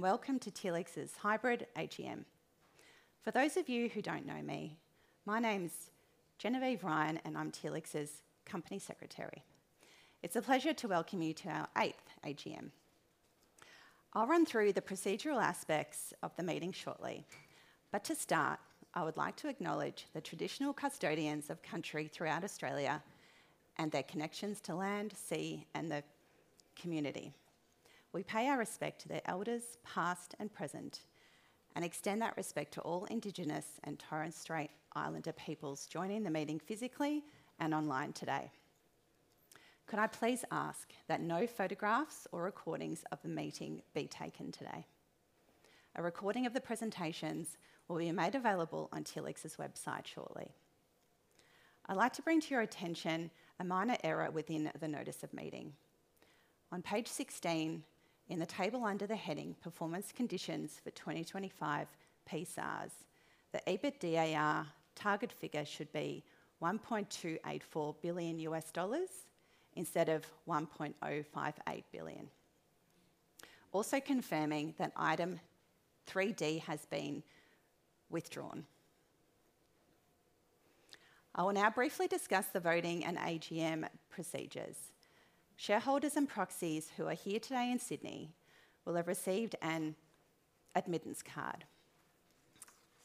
Welcome to Telix's Hybrid AGM. For those of you who do not know me, my name's Genevieve Ryan, and I'm Telix's Company Secretary. It's a pleasure to welcome you to our eighth AGM. I'll run through the procedural aspects of the meeting shortly, but to start, I would like to acknowledge the traditional custodians of country throughout Australia and their connections to land, sea, and the community. We pay our respect to their Elders, past and present, and extend that respect to all Indigenous and Torres Strait Islander peoples joining the meeting physically and online today. Could I please ask that no photographs or recordings of the meeting be taken today? A recording of the presentations will be made available on Telix's website shortly. I'd like to bring to your attention a minor error within the notice of meeting. On page 16, in the table under the heading Performance Conditions for 2025 PSARs, the EBITDA target figure should be $1.284 billion instead of $1.058 billion. Also confirming that item 3D has been withdrawn. I will now briefly discuss the voting and AGM procedures. Shareholders and proxies who are here today in Sydney will have received an admittance card.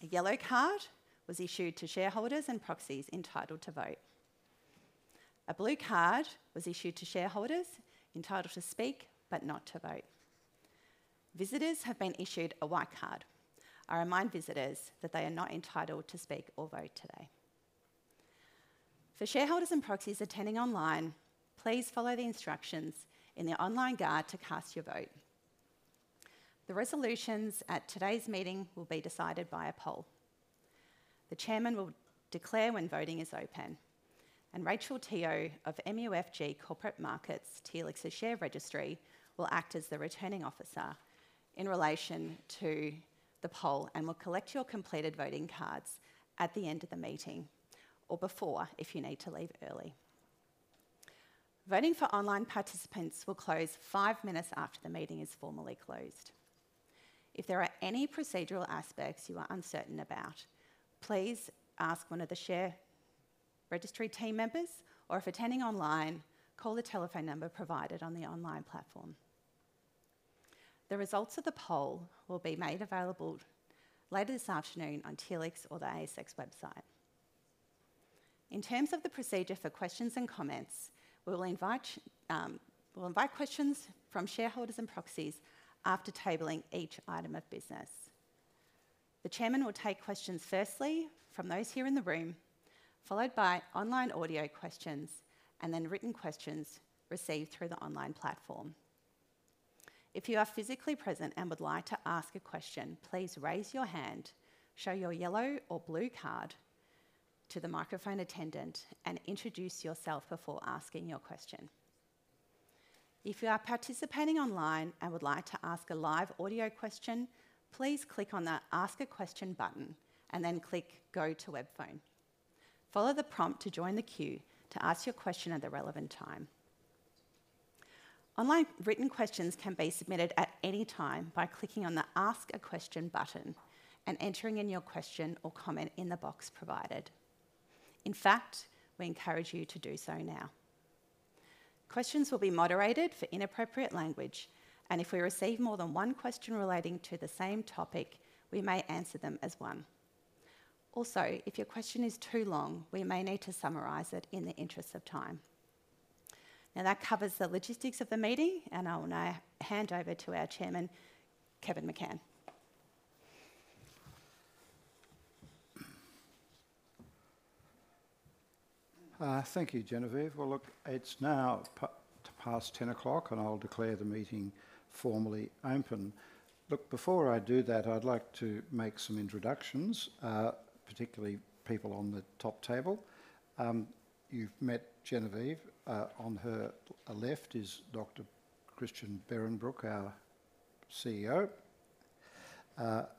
A yellow card was issued to shareholders and proxies entitled to vote. A blue card was issued to shareholders entitled to speak but not to vote. Visitors have been issued a white card. I remind visitors that they are not entitled to speak or vote today. For shareholders and proxies attending online, please follow the instructions in the online guide to cast your vote. The resolutions at today's meeting will be decided by a poll. The Chairman will declare when voting is open, and Rachel Teo of MUFG Corporate Markets, Telix's share registry, will act as the returning officer in relation to the poll and will collect your completed voting cards at the end of the meeting or before if you need to leave early. Voting for online participants will close five minutes after the meeting is formally closed. If there are any procedural aspects you are uncertain about, please ask one of the share registry team members, or if attending online, call the telephone number provided on the online platform. The results of the poll will be made available later this afternoon on Telix or the ASX website. In terms of the procedure for questions and comments, we will invite questions from shareholders and proxies after tabling each item of business. The Chairman will take questions firstly from those here in the room, followed by online audio questions and then written questions received through the online platform. If you are physically present and would like to ask a question, please raise your hand, show your yellow or blue card to the microphone attendant, and introduce yourself before asking your question. If you are participating online and would like to ask a live audio question, please click on the Ask a Question button and then click Go to Webphone. Follow the prompt to join the queue to ask your question at the relevant time. Online written questions can be submitted at any time by clicking on the Ask a Question button and entering in your question or comment in the box provided. In fact, we encourage you to do so now. Questions will be moderated for inappropriate language, and if we receive more than one question relating to the same topic, we may answer them as one. Also, if your question is too long, we may need to summarize it in the interest of time. Now, that covers the logistics of the meeting, and I will now hand over to our Chairman, Kevin McCann. Thank you, Genevieve. Look, it's now past 10:00 A.M., and I'll declare the meeting formally open. Before I do that, I'd like to make some introductions, particularly people on the top table. You've met Genevieve. On her left is Dr. Christian Behrenbruch, our CEO.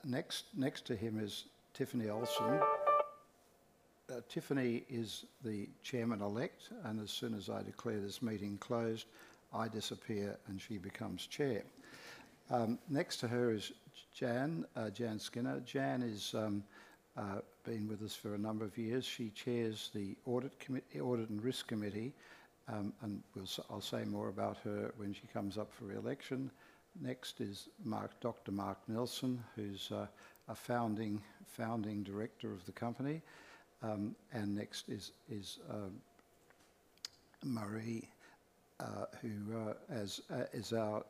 Next to him is Tiffany Olson. Tiffany is the Chairman-elect, and as soon as I declare this meeting closed, I disappear and she becomes Chair. Next to her is Jann Skinner. Jan has been with us for a number of years. She chairs the Audit and Risk Committee, and I'll say more about her when she comes up for re-election. Next is Dr. Mark Nelson, who's a Founding Director of the Company. Next is Marie, who is our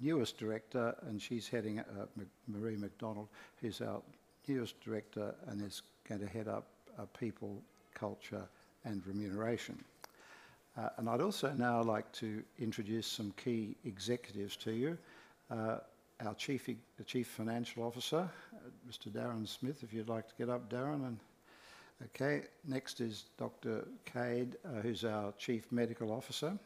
newest Director, and she's heading Marie McDonald, who's our newest Director and is going to head up people, culture, and remuneration. I would also now like to introduce some key executives to you. Our Chief Financial Officer, Mr. Darren Smith, if you'd like to get up, Darren. Okay. Next is Dr. Cade, who's our Chief Medical Officer.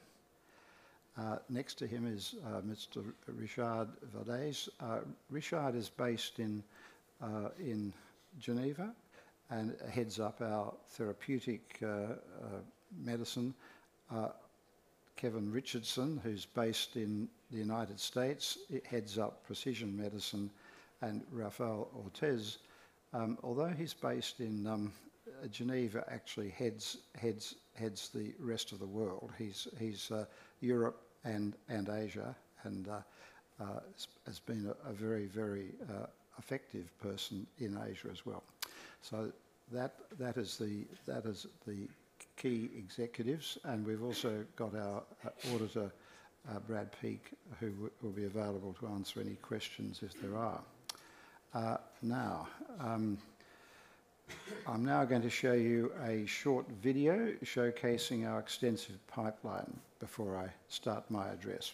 Next to him is Mr. Richard Valeix. Richard is based in Geneva and heads up our therapeutic medicine. Kevin Richardson, who's based in the United States, heads up precision medicine. Raphaël Ortiz, although he's based in Geneva, actually heads the rest of the world. He's Europe and Asia and has been a very, very effective person in Asia as well. That is the key Executives. We've also got our auditor, Brad Peek, who will be available to answer any questions if there are. I am now going to show you a short video showcasing our extensive pipeline before I start my address.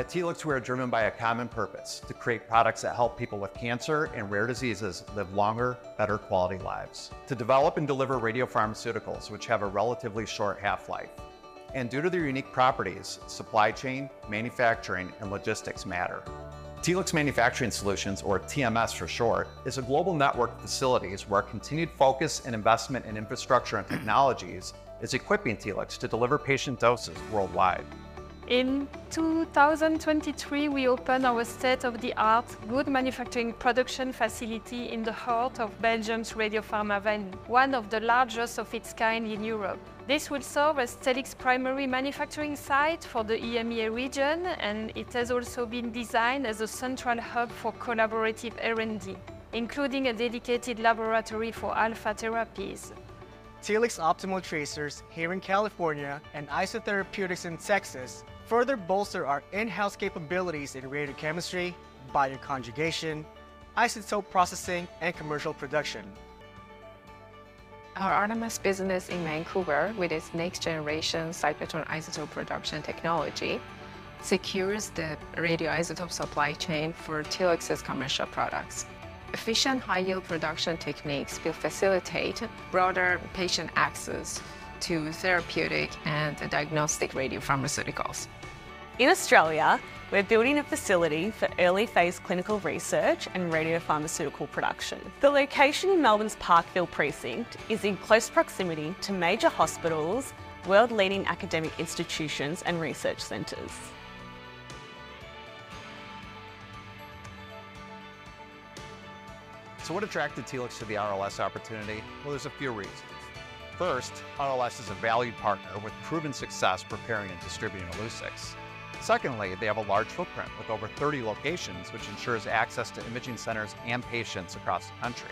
At Telix, we're driven by a common purpose: to create products that help people with cancer and rare diseases live longer, better quality lives. To develop and deliver radiopharmaceuticals, which have a relatively short half-life. Due to their unique properties, supply chain, manufacturing, and logistics matter. Telix Manufacturing Solutions, or TMS for short, is a global network of facilities where continued focus and investment in infrastructure and technologies is equipping Telix to deliver patient doses worldwide. In 2023, we opened our state-of-the-art good manufacturing production facility in the heart of Belgium's Radio Pharma Valley, one of the largest of its kind in Europe. This will serve as Telix's primary manufacturing site for the EMEA region, and it has also been designed as a central hub for collaborative R&D, including a dedicated laboratory for alpha therapies. Telix Optimal Tracers here in California and Isotherapeutics in Texas further bolster our in-house capabilities in radiochemistry, bioconjugation, isotope processing, and commercial production. Our RMS business in Vancouver, with its next-generation cyclotron isotope production technology, secures the radioisotope supply chain for Telix's commercial products. Efficient high-yield production techniques will facilitate broader patient access to therapeutic and diagnostic radiopharmaceuticals. In Australia, we're building a facility for early-phase clinical research and radiopharmaceutical production. The location in Melbourne's Parkville Precinct is in close proximity to major hospitals, world-leading academic institutions, and research centers. What attracted Telix to the RLS opportunity? There are a few reasons. First, RLS is a valued partner with proven success preparing and distributing Illuccix. Secondly, they have a large footprint with over 30 locations, which ensures access to imaging centers and patients across the country.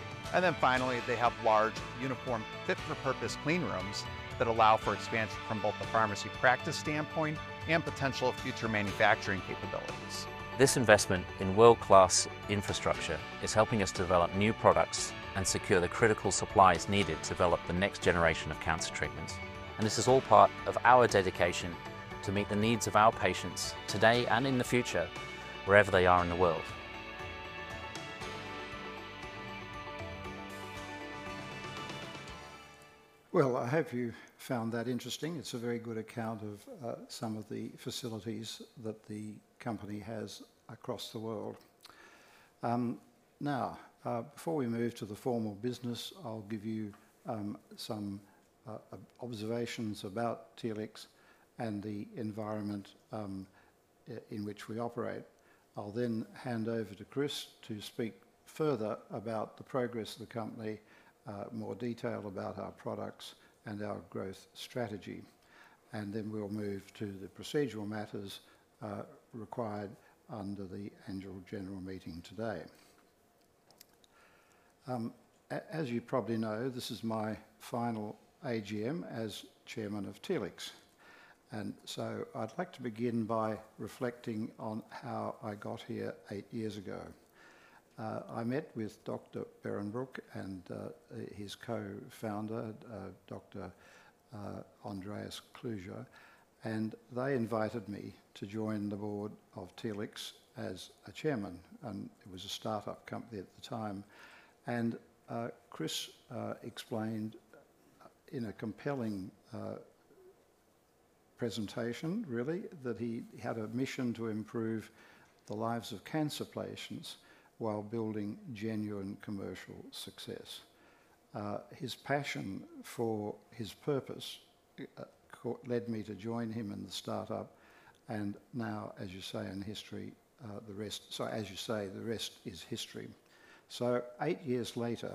Finally, they have large, uniform, fit-for-purpose clean rooms that allow for expansion from both the pharmacy practice standpoint and potential future manufacturing capabilities. This investment in world-class infrastructure is helping us to develop new products and secure the critical supplies needed to develop the next generation of cancer treatments. This is all part of our dedication to meet the needs of our patients today and in the future, wherever they are in the world. I hope you found that interesting. It's a very good account of some of the facilities that the Company has across the world. Now, before we move to the formal business, I'll give you some observations about Telix and the environment in which we operate. I'll then hand over to Chris to speak further about the progress of the Company, more detail about our products and our growth strategy. Then we'll move to the procedural matters required under the annual general meeting today. As you probably know, this is my final AGM as Chairman of Telix. I would like to begin by reflecting on how I got here eight years ago. I met with Dr. Behrenbruch and his Co-Founder, Dr. Andreas Kluge, and they invited me to join the Board of Telix as Chairman. It was a startup Company at the time. Chris explained in a compelling presentation, really, that he had a mission to improve the lives of cancer patients while building genuine commercial success. His passion for his purpose led me to join him in the startup. As you say, the rest is history. Eight years later,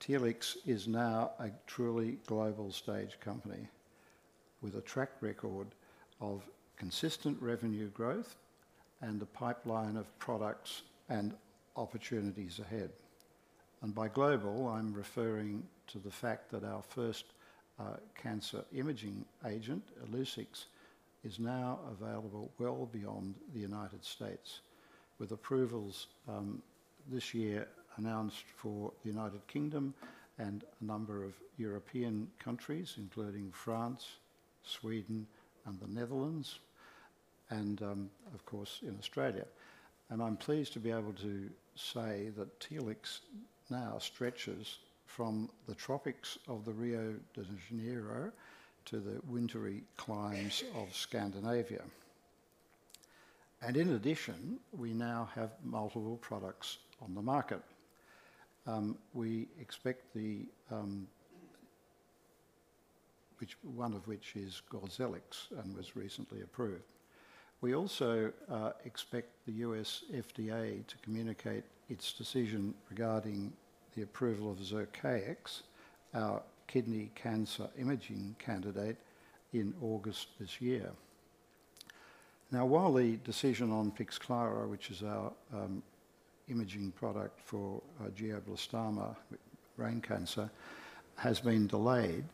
Telix is now a truly global stage Company with a track record of consistent revenue growth and a pipeline of products and opportunities ahead. By global, I'm referring to the fact that our first cancer imaging agent, Illuccix, is now available well beyond the United States, with approvals this year announced for the United Kingdom and a number of European countries, including France, Sweden, and the Netherlands, and of course in Australia. I'm pleased to be able to say that Telix now stretches from the tropics of Rio de Janeiro to the wintery climes of Scandinavia. In addition, we now have multiple products on the market. We expect one of which is Gozellix and was recently approved. We also expect the U.S. FDA to communicate its decision regarding the approval of Zircaix, our kidney cancer imaging candidate, in August this year. Now, while the decision on Pixclara, which is our imaging product for glioblastoma brain cancer, has been delayed,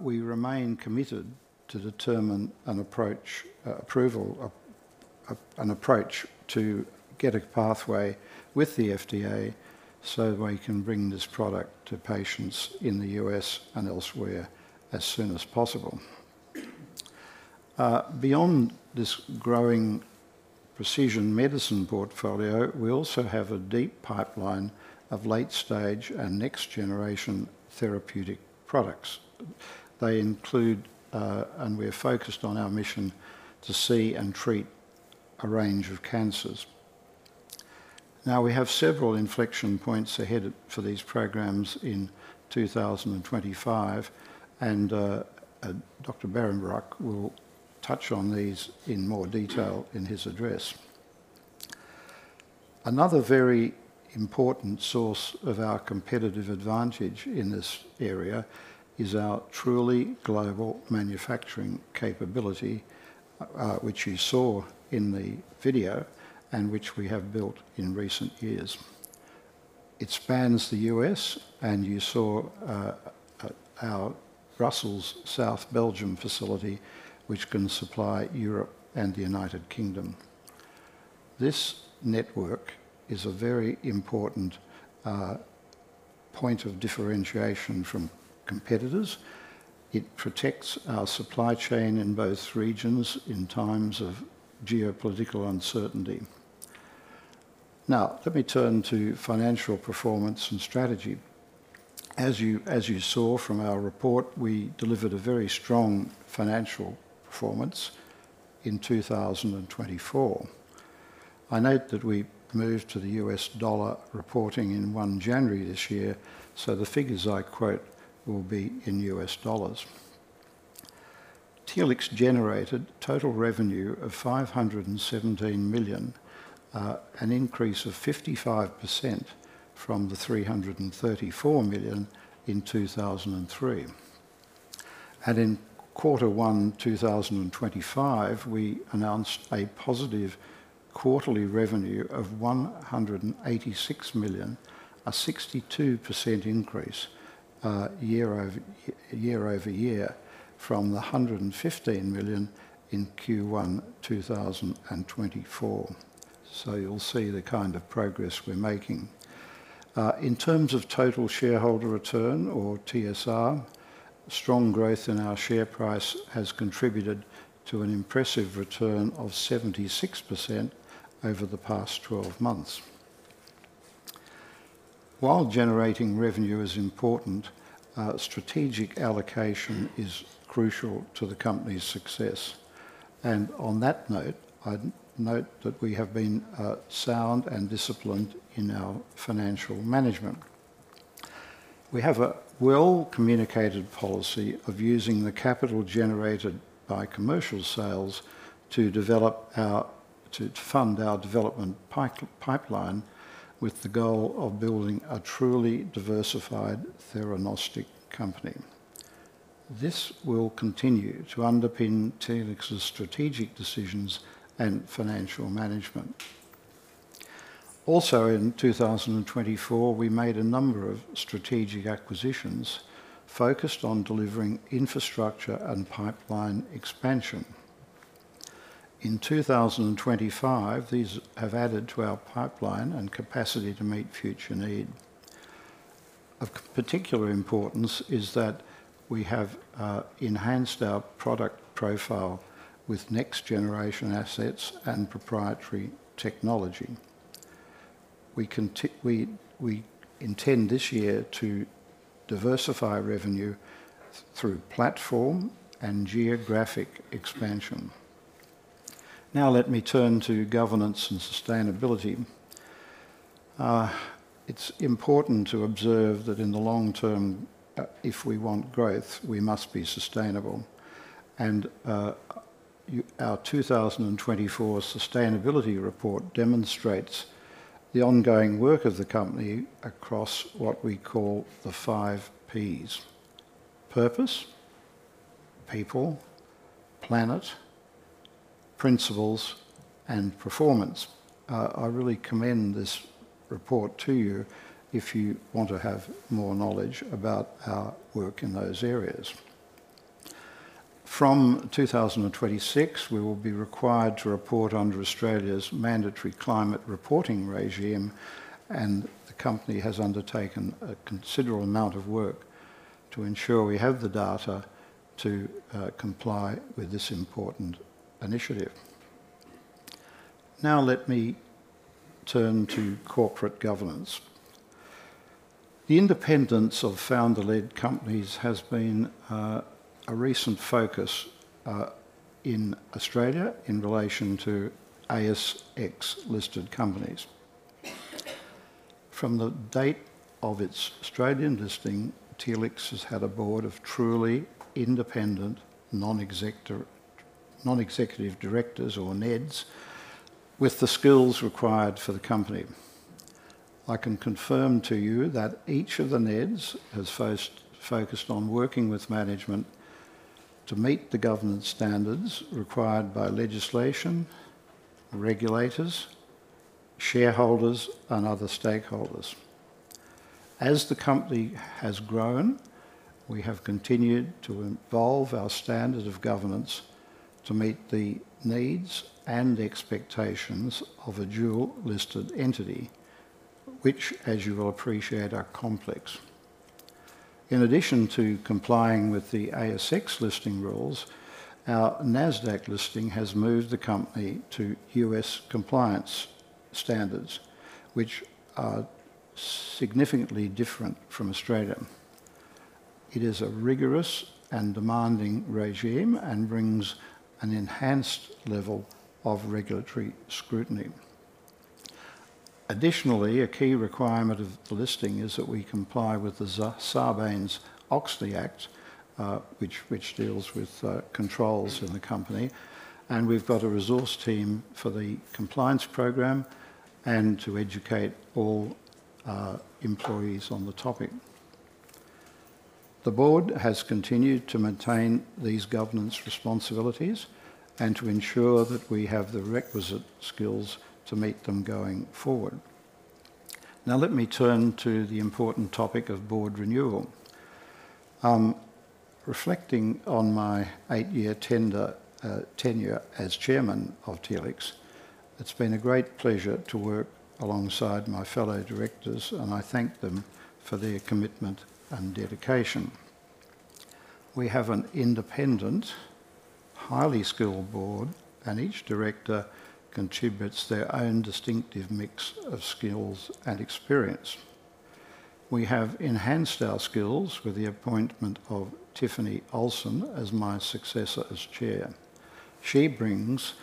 we remain committed to determine an approach—approval—an approach to get a pathway with the FDA so we can bring this product to patients in the U.S. and elsewhere as soon as possible. Beyond this growing precision medicine portfolio, we also have a deep pipeline of late-stage and next-generation therapeutic products. They include, and we're focused on our mission, to see and treat a range of cancers. Now, we have several inflection points ahead for these programs in 2025, and Dr. Behrenbruch will touch on these in more detail in his address. Another very important source of our competitive advantage in this area is our truly global manufacturing capability, which you saw in the video and which we have built in recent years. It spans the U.S., and you saw our Brussels South, Belgium facility, which can supply Europe and the U.K. This network is a very important point of differentiation from competitors. It protects our supply chain in both regions in times of geopolitical uncertainty. Now, let me turn to financial performance and strategy. As you saw from our report, we delivered a very strong financial performance in 2024. I note that we moved to the U.S. dollar reporting in 1 January this year, so the figures I quote will be in U.S. dollars. Telix generated total revenue of $517 million, an increase of 55% from the $334 million in 2023. In quarter one 2025, we announced a positive quarterly revenue of $186 million, a 62% increase year-over-year from the $115 million in Q1 2024. You will see the kind of progress we are making. In terms of total shareholder return, or TSR, strong growth in our share price has contributed to an impressive return of 76% over the past 12 months. While generating revenue is important, strategic allocation is crucial to the company's success. On that note, I note that we have been sound and disciplined in our financial management. We have a well-communicated policy of using the capital generated by commercial sales to develop our—to fund our development pipeline with the goal of building a truly diversified theranostic company. This will continue to underpin Telix's strategic decisions and financial management. Also, in 2024, we made a number of strategic acquisitions focused on delivering infrastructure and pipeline expansion. In 2024, these have added to our pipeline and capacity to meet future need. Of particular importance is that we have enhanced our product profile with next-generation assets and proprietary technology. We intend this year to diversify revenue through platform and geographic expansion. Now, let me turn to governance and sustainability. It's important to observe that in the long term, if we want growth, we must be sustainable. Our 2024 sustainability report demonstrates the ongoing work of the company across what we call the Five Ps: Purpose, People, Planet, Principles, and Performance. I really commend this report to you if you want to have more knowledge about our work in those areas. From 2026, we will be required to report under Australia's mandatory climate reporting regime, and the company has undertaken a considerable amount of work to ensure we have the data to comply with this important initiative. Now, let me turn to corporate governance. The independence of founder-led companies has been a recent focus in Australia in relation to ASX-listed companies. From the date of its Australian listing, Telix has had a Board of truly independent Non-Executive Directors, or NEDs, with the skills required for the Company. I can confirm to you that each of the NEDs has focused on working with management to meet the governance standards required by legislation, regulators, shareholders, and other stakeholders. As the Company has grown, we have continued to evolve our standard of governance to meet the needs and expectations of a dual-listed entity, which, as you will appreciate, are complex. In addition to complying with the ASX listing rules, our Nasdaq listing has moved the Company to U.S. compliance standards, which are significantly different from Australia. It is a rigorous and demanding regime and brings an enhanced level of regulatory scrutiny. Additionally, a key requirement of the listing is that we comply with the Sarbanes-Oxley Act, which deals with controls in the Company. We have got a resource team for the compliance program and to educate all employees on the topic. The Board has continued to maintain these governance responsibilities and to ensure that we have the requisite skills to meet them going forward. Now, let me turn to the important topic of Board renewal. Reflecting on my eight-year tenure as Chairman of Telix, it's been a great pleasure to work alongside my fellow Directors, and I thank them for their commitment and dedication. We have an independent, highly skilled Board, and each Director contributes their own distinctive mix of skills and experience. We have enhanced our skills with the appointment of Tiffany Olson as my successor as Chair. She brings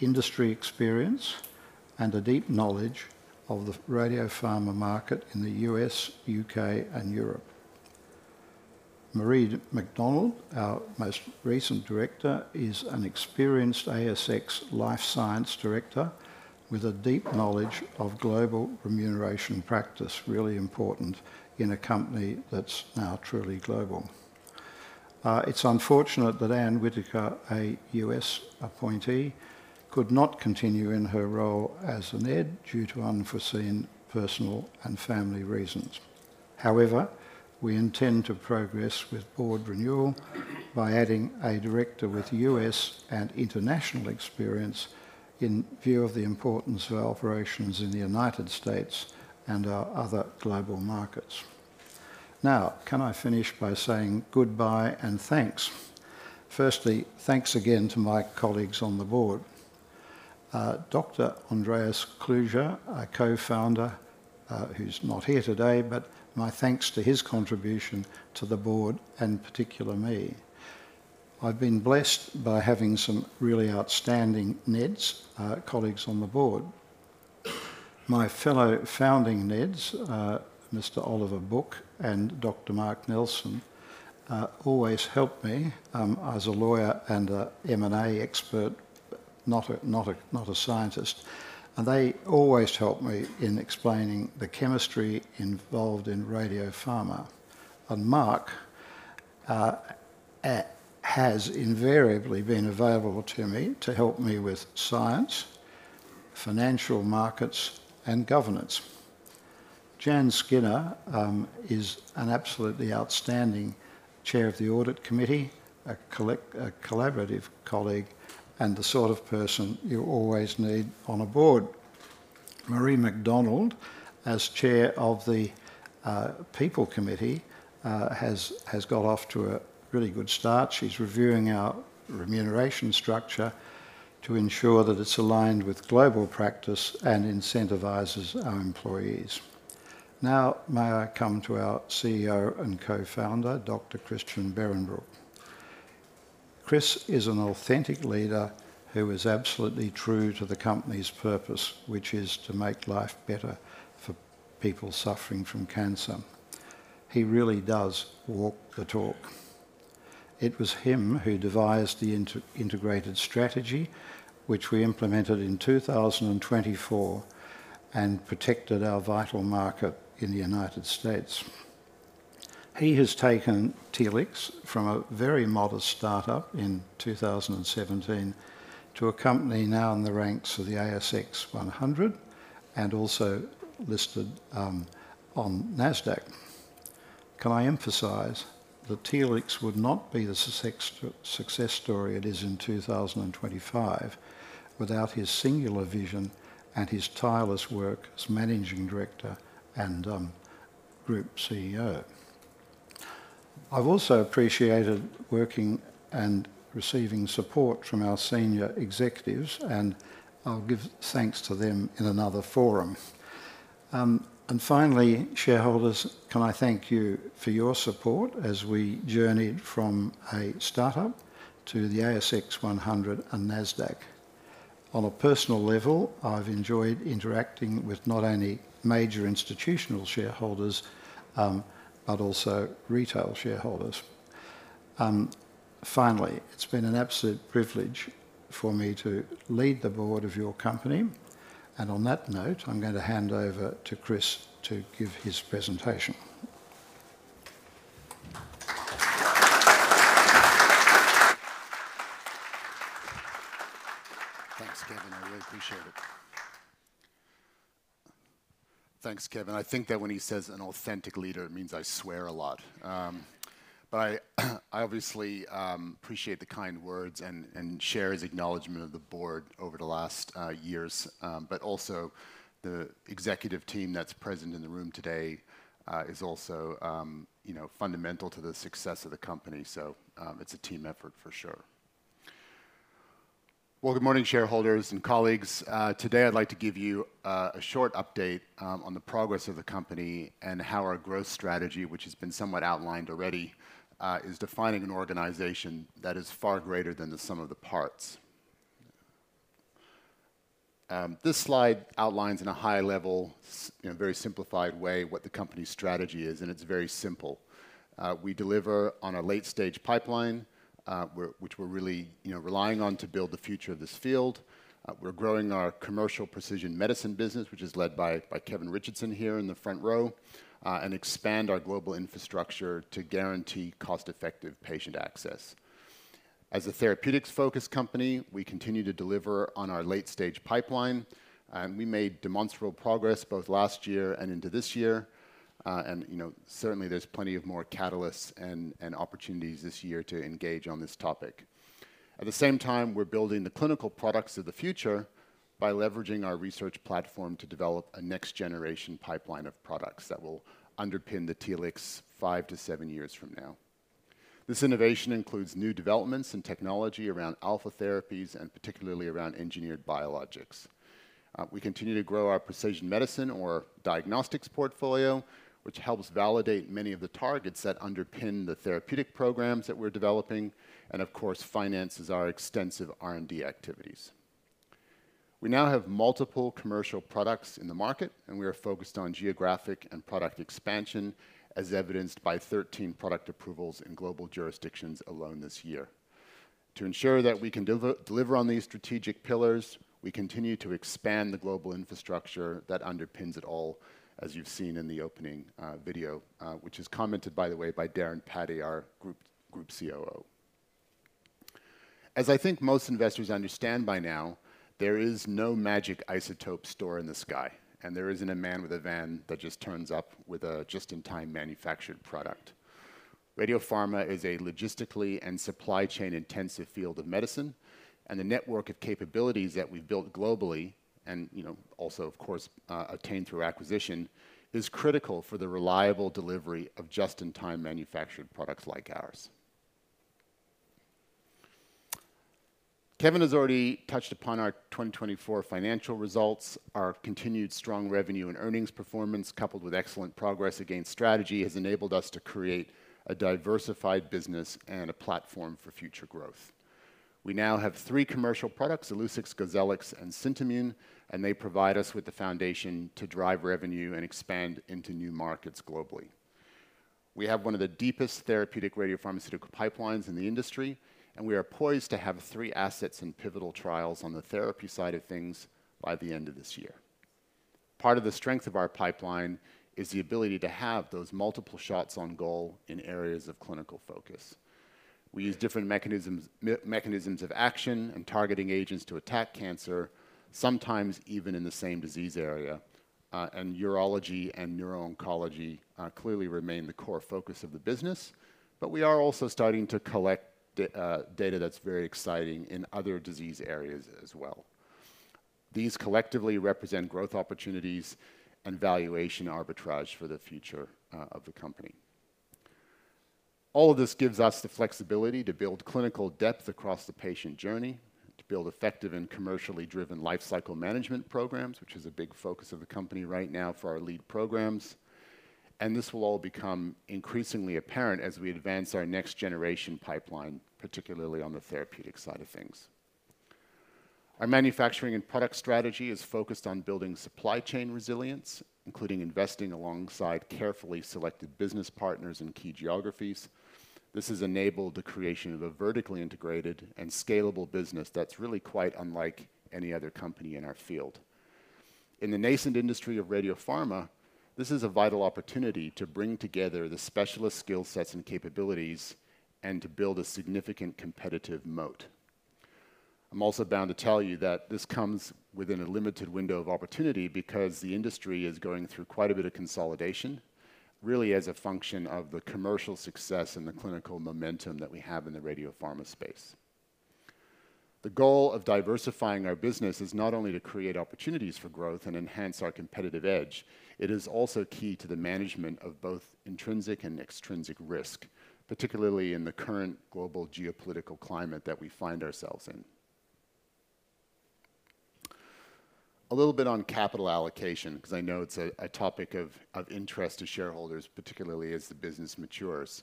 industry experience and a deep knowledge of the radiopharma market in the U.S., U.K., and Europe. Marie McDonald, our most recent Director, is an experienced ASX Life Science Director with a deep knowledge of global remuneration practice, really important in a Company that's now truly global. It's unfortunate that Anne Whitaker, a U.S. appointee, could not continue in her role as a NED due to unforeseen personal and family reasons. However, we intend to progress with Board renewal by adding a Director with U.S. and international experience in view of the importance of our operations in the United States and our other global markets. Now, can I finish by saying goodbye and thanks? Firstly, thanks again to my colleagues on the Board. Dr. Andreas Kluge, our Co-Founder, who's not here today, but my thanks to his contribution to the Board and particularly me. I've been blessed by having some really outstanding NEDs, colleagues on the Board. My fellow founding NEDs, Mr. Oliver Buck and Dr. Mark Nelson, always helped me as a lawyer and an M&A expert, not a scientist. They always help me in explaining the chemistry involved in radiopharma. Mark has invariably been available to me to help me with science, financial markets, and governance. Jann Skinner is an absolutely outstanding Chair of the Audit Committee, a collaborative colleague, and the sort of person you always need on a Board. Marie McDonald, as Chair of the People Committee, has got off to a really good start. She's reviewing our remuneration structure to ensure that it's aligned with global practice and incentivizes our employees. Now, may I come to our CEO and Co-Founder, Dr. Christian Behrenbruch. Chris is an authentic leader who is absolutely true to the company's purpose, which is to make life better for people suffering from cancer. He really does walk the talk. It was him who devised the integrated strategy, which we implemented in 2024 and protected our vital market in the United States. He has taken Telix from a very modest startup in 2017 to a company now in the ranks of the ASX 100 and also listed on Nasdaq. Can I emphasize that Telix would not be the success story it is in 2024 without his singular vision and his tireless work as Managing Director and Group CEO? I've also appreciated working and receiving support from our Senior Executives, and I'll give thanks to them in another forum. Finally, shareholders, can I thank you for your support as we journeyed from a startup to the ASX 100 and Nasdaq. On a personal level, I've enjoyed interacting with not only major institutional shareholders but also retail shareholders. Finally, it's been an absolute privilege for me to lead the Board of your company. On that note, I'm going to hand over to Chris to give his presentation. Thanks, Kevin. I really appreciate it. Thanks, Kevin. I think that when he says an authentic leader, it means I swear a lot. I obviously appreciate the kind words and share his acknowledgment of the Board over the last years, but also the Executive team that's present in the room today is also fundamental to the success of the Company. It's a team effort for sure. Good morning, shareholders and colleagues. Today, I'd like to give you a short update on the progress of the company and how our growth strategy, which has been somewhat outlined already, is defining an organization that is far greater than the sum of the parts. This slide outlines in a high-level, very simplified way what the Company's strategy is, and it's very simple. We deliver on a late-stage pipeline, which we're really relying on to build the future of this field. We're growing our commercial precision medicine business, which is led by Kevin Richardson here in the front row, and expand our global infrastructure to guarantee cost-effective patient access. As a therapeutics-focused Company, we continue to deliver on our late-stage pipeline, and we made demonstrable progress both last year and into this year. Certainly, there's plenty of more catalysts and opportunities this year to engage on this topic. At the same time, we're building the clinical products of the future by leveraging our research platform to develop a next-generation pipeline of products that will underpin the Telix five to seven years from now. This innovation includes new developments in technology around alpha therapies and particularly around engineered biologics. We continue to grow our Precision Medicine or Diagnostics portfolio, which helps validate many of the targets that underpin the therapeutic programs that we're developing and, of course, finances our extensive R&D activities. We now have multiple commercial products in the market, and we are focused on geographic and product expansion, as evidenced by 13 product approvals in global jurisdictions alone this year. To ensure that we can deliver on these strategic pillars, we continue to expand the global infrastructure that underpins it all, as you've seen in the opening video, which is commented, by the way, by Darren Patti, our Group COO. As I think most investors understand by now, there is no magic isotope store in the sky, and there isn't a man with a van that just turns up with a just-in-time manufactured product. Radiopharma is a logistically and supply-chain-intensive field of medicine, and the network of capabilities that we've built globally and also, of course, obtained through acquisition is critical for the reliable delivery of just-in-time manufactured products like ours. Kevin has already touched upon our 2024 financial results. Our continued strong revenue and earnings performance, coupled with excellent progress against strategy, has enabled us to create a diversified business and a platform for future growth. We now have three commercial products, Illuccix, Gozellix, and Scintimun, and they provide us with the foundation to drive revenue and expand into new markets globally. We have one of the deepest therapeutic radiopharmaceutical pipelines in the industry, and we are poised to have three assets in pivotal trials on the therapy side of things by the end of this year. Part of the strength of our pipeline is the ability to have those multiple shots on goal in areas of clinical focus. We use different mechanisms of action and targeting agents to attack cancer, sometimes even in the same disease area. Urology and Neuro-oncology clearly remain the core focus of the business, but we are also starting to collect data that's very exciting in other disease areas as well. These collectively represent growth opportunities and valuation arbitrage for the future of the company. All of this gives us the flexibility to build clinical depth across the patient journey, to build effective and commercially driven life cycle management programs, which is a big focus of the company right now for our lead programs. This will all become increasingly apparent as we advance our next-generation pipeline, particularly on the therapeutic side of things. Our manufacturing and product strategy is focused on building supply chain resilience, including investing alongside carefully selected business partners in key geographies. This has enabled the creation of a vertically integrated and scalable business that's really quite unlike any other company in our field. In the nascent industry of radiopharma, this is a vital opportunity to bring together the specialist skill sets and capabilities and to build a significant competitive moat. I'm also bound to tell you that this comes within a limited window of opportunity because the industry is going through quite a bit of consolidation, really as a function of the commercial success and the clinical momentum that we have in the radiopharma space. The goal of diversifying our business is not only to create opportunities for growth and enhance our competitive edge. It is also key to the management of both intrinsic and extrinsic risk, particularly in the current global geopolitical climate that we find ourselves in. A little bit on capital allocation, because I know it's a topic of interest to shareholders, particularly as the business matures.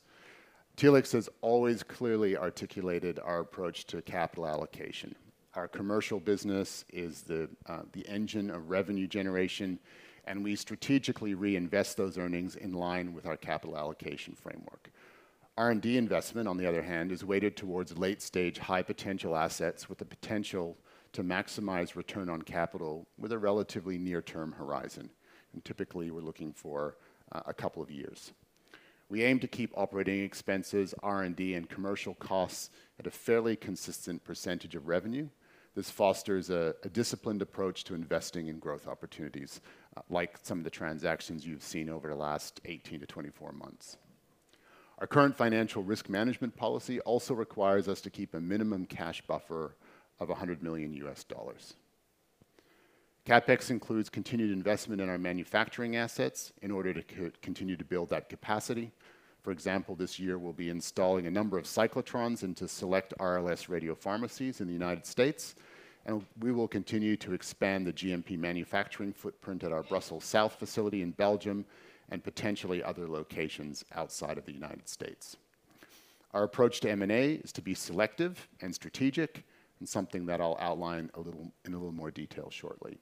Telix has always clearly articulated our approach to capital allocation. Our Commercial business is the engine of revenue generation, and we strategically reinvest those earnings in line with our capital allocation framework. R&D investment, on the other hand, is weighted towards late-stage high-potential assets with the potential to maximize return on capital with a relatively near-term horizon. Typically, we're looking for a couple of years. We aim to keep operating expenses, R&D, and commercial costs at a fairly consistent percentage of revenue. This fosters a disciplined approach to investing in growth opportunities, like some of the transactions you've seen over the last 18-24 months. Our current financial risk management policy also requires us to keep a minimum cash buffer of $100 million. CapEx includes continued investment in our manufacturing assets in order to continue to build that capacity. For example, this year, we'll be installing a number of cyclotrons into select RLS radiopharmacies in the United States. We will continue to expand the GMP manufacturing footprint at our Brussels South facility in Belgium and potentially other locations outside of the United States. Our approach to M&A is to be selective and strategic, and something that I'll outline in a little more detail shortly.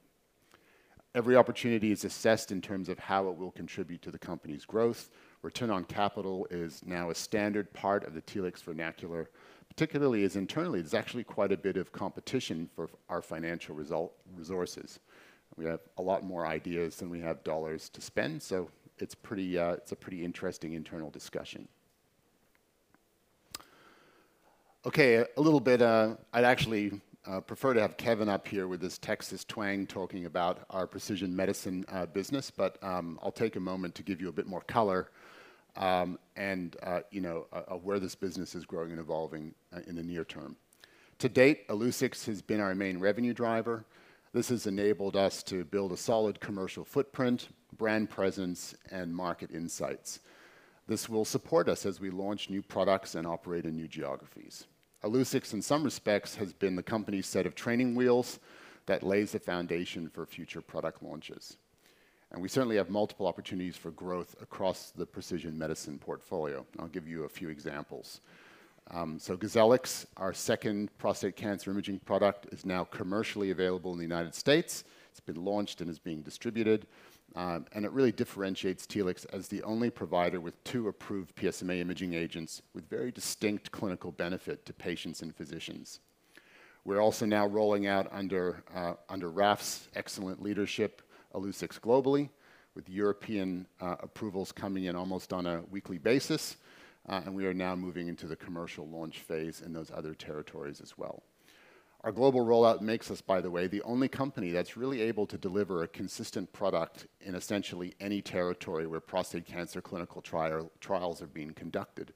Every opportunity is assessed in terms of how it will contribute to the Company's growth. Return on capital is now a standard part of the Telix vernacular, particularly as internally, there's actually quite a bit of competition for our financial resources. We have a lot more ideas than we have dollars to spend, so it's a pretty interesting internal discussion. Okay, a little bit, I'd actually prefer to have Kevin up here with his Texas twang talking about our precision medicine business, but I'll take a moment to give you a bit more color and where this business is growing and evolving in the near term. To date, Illuccix has been our main revenue driver. This has enabled us to build a solid commercial footprint, brand presence, and market insights. This will support us as we launch new products and operate in new geographies. Illuccix, in some respects, has been the Company's set of training wheels that lays the foundation for future product launches. We certainly have multiple opportunities for growth across the Precision Medicine portfolio. I'll give you a few examples. Gozellix, our second prostate cancer imaging product, is now commercially available in the United States. It's been launched and is being distributed. It really differentiates Telix as the only provider with two approved PSMA imaging agents with very distinct clinical benefit to patients and physicians. We are also now rolling out, under Raph's excellent leadership, Gozellix globally, with European approvals coming in almost on a weekly basis. We are now moving into the commercial launch phase in those other territories as well. Our global rollout makes us, by the way, the only company that's really able to deliver a consistent product in essentially any territory where prostate cancer clinical trials are being conducted.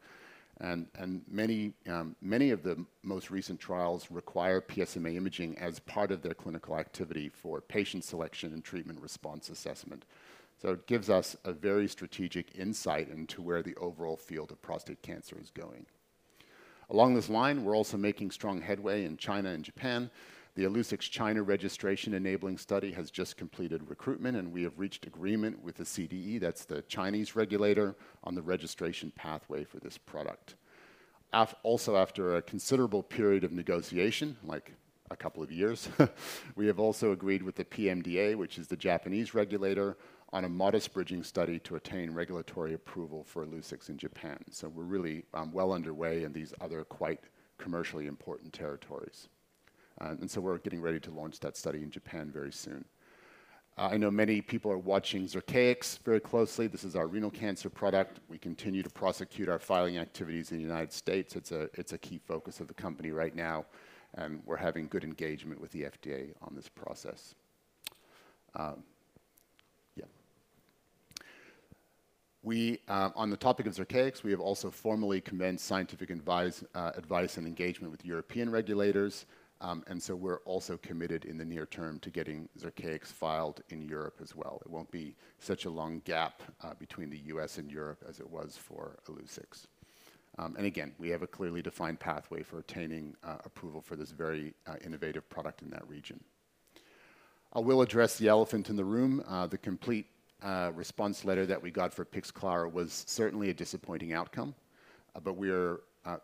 Many of the most recent trials require PSMA imaging as part of their clinical activity for patient selection and treatment response assessment. It gives us a very strategic insight into where the overall field of prostate cancer is going. Along this line, we're also making strong headway in China and Japan. The Illuccix China registration enabling study has just completed recruitment, and we have reached agreement with the CDE, that's the Chinese regulator, on the registration pathway for this product. Also, after a considerable period of negotiation, like a couple of years, we have also agreed with the PMDA, which is the Japanese regulator, on a modest bridging study to attain regulatory approval for Illuccix in Japan. We're really well underway in these other quite commercially important territories. We're getting ready to launch that study in Japan very soon. I know many people are watching Ziruxx very closely. This is our renal cancer product. We continue to prosecute our filing activities in the United States. It's a key focus of the company right now, and we're having good engagement with the FDA on this process. Yeah. On the topic of Zircaix, we have also formally commenced scientific advice and engagement with European regulators. We are also committed in the near term to getting Zircaix filed in Europe as well. It won't be such a long gap between the U.S. and Europe as it was for Illuccix. We have a clearly defined pathway for attaining approval for this very innovative product in that region. I will address the elephant in the room. The complete response letter that we got for Pixclara was certainly a disappointing outcome, but we are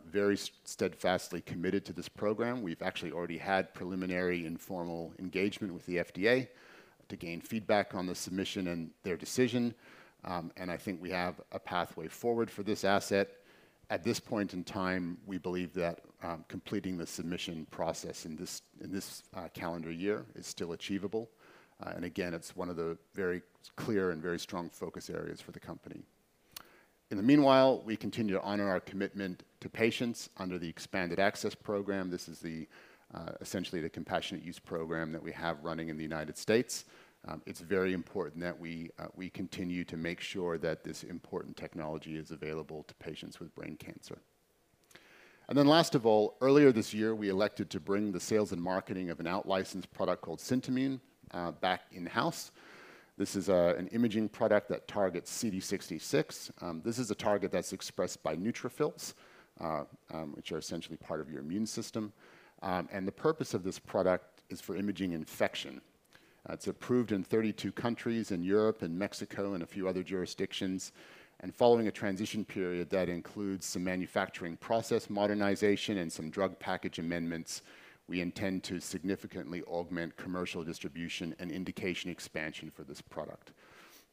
very steadfastly committed to this program. We've actually already had preliminary informal engagement with the FDA to gain feedback on the submission and their decision. I think we have a pathway forward for this asset. At this point in time, we believe that completing the submission process in this calendar year is still achievable. It is one of the very clear and very strong focus areas for the Company. In the meanwhile, we continue to honor our commitment to patients under the expanded access program. This is essentially the compassionate use program that we have running in the United States. It is very important that we continue to make sure that this important technology is available to patients with brain cancer. Last of all, earlier this year, we elected to bring the sales and marketing of an out-licensed product called Scintimun back in-house. This is an imaging product that targets CD66. This is a target that's expressed by neutrophils, which are essentially part of your immune system. The purpose of this product is for imaging infection. It's approved in 32 countries in Europe and Mexico and a few other jurisdictions. Following a transition period that includes some manufacturing process modernization and some drug package amendments, we intend to significantly augment commercial distribution and indication expansion for this product.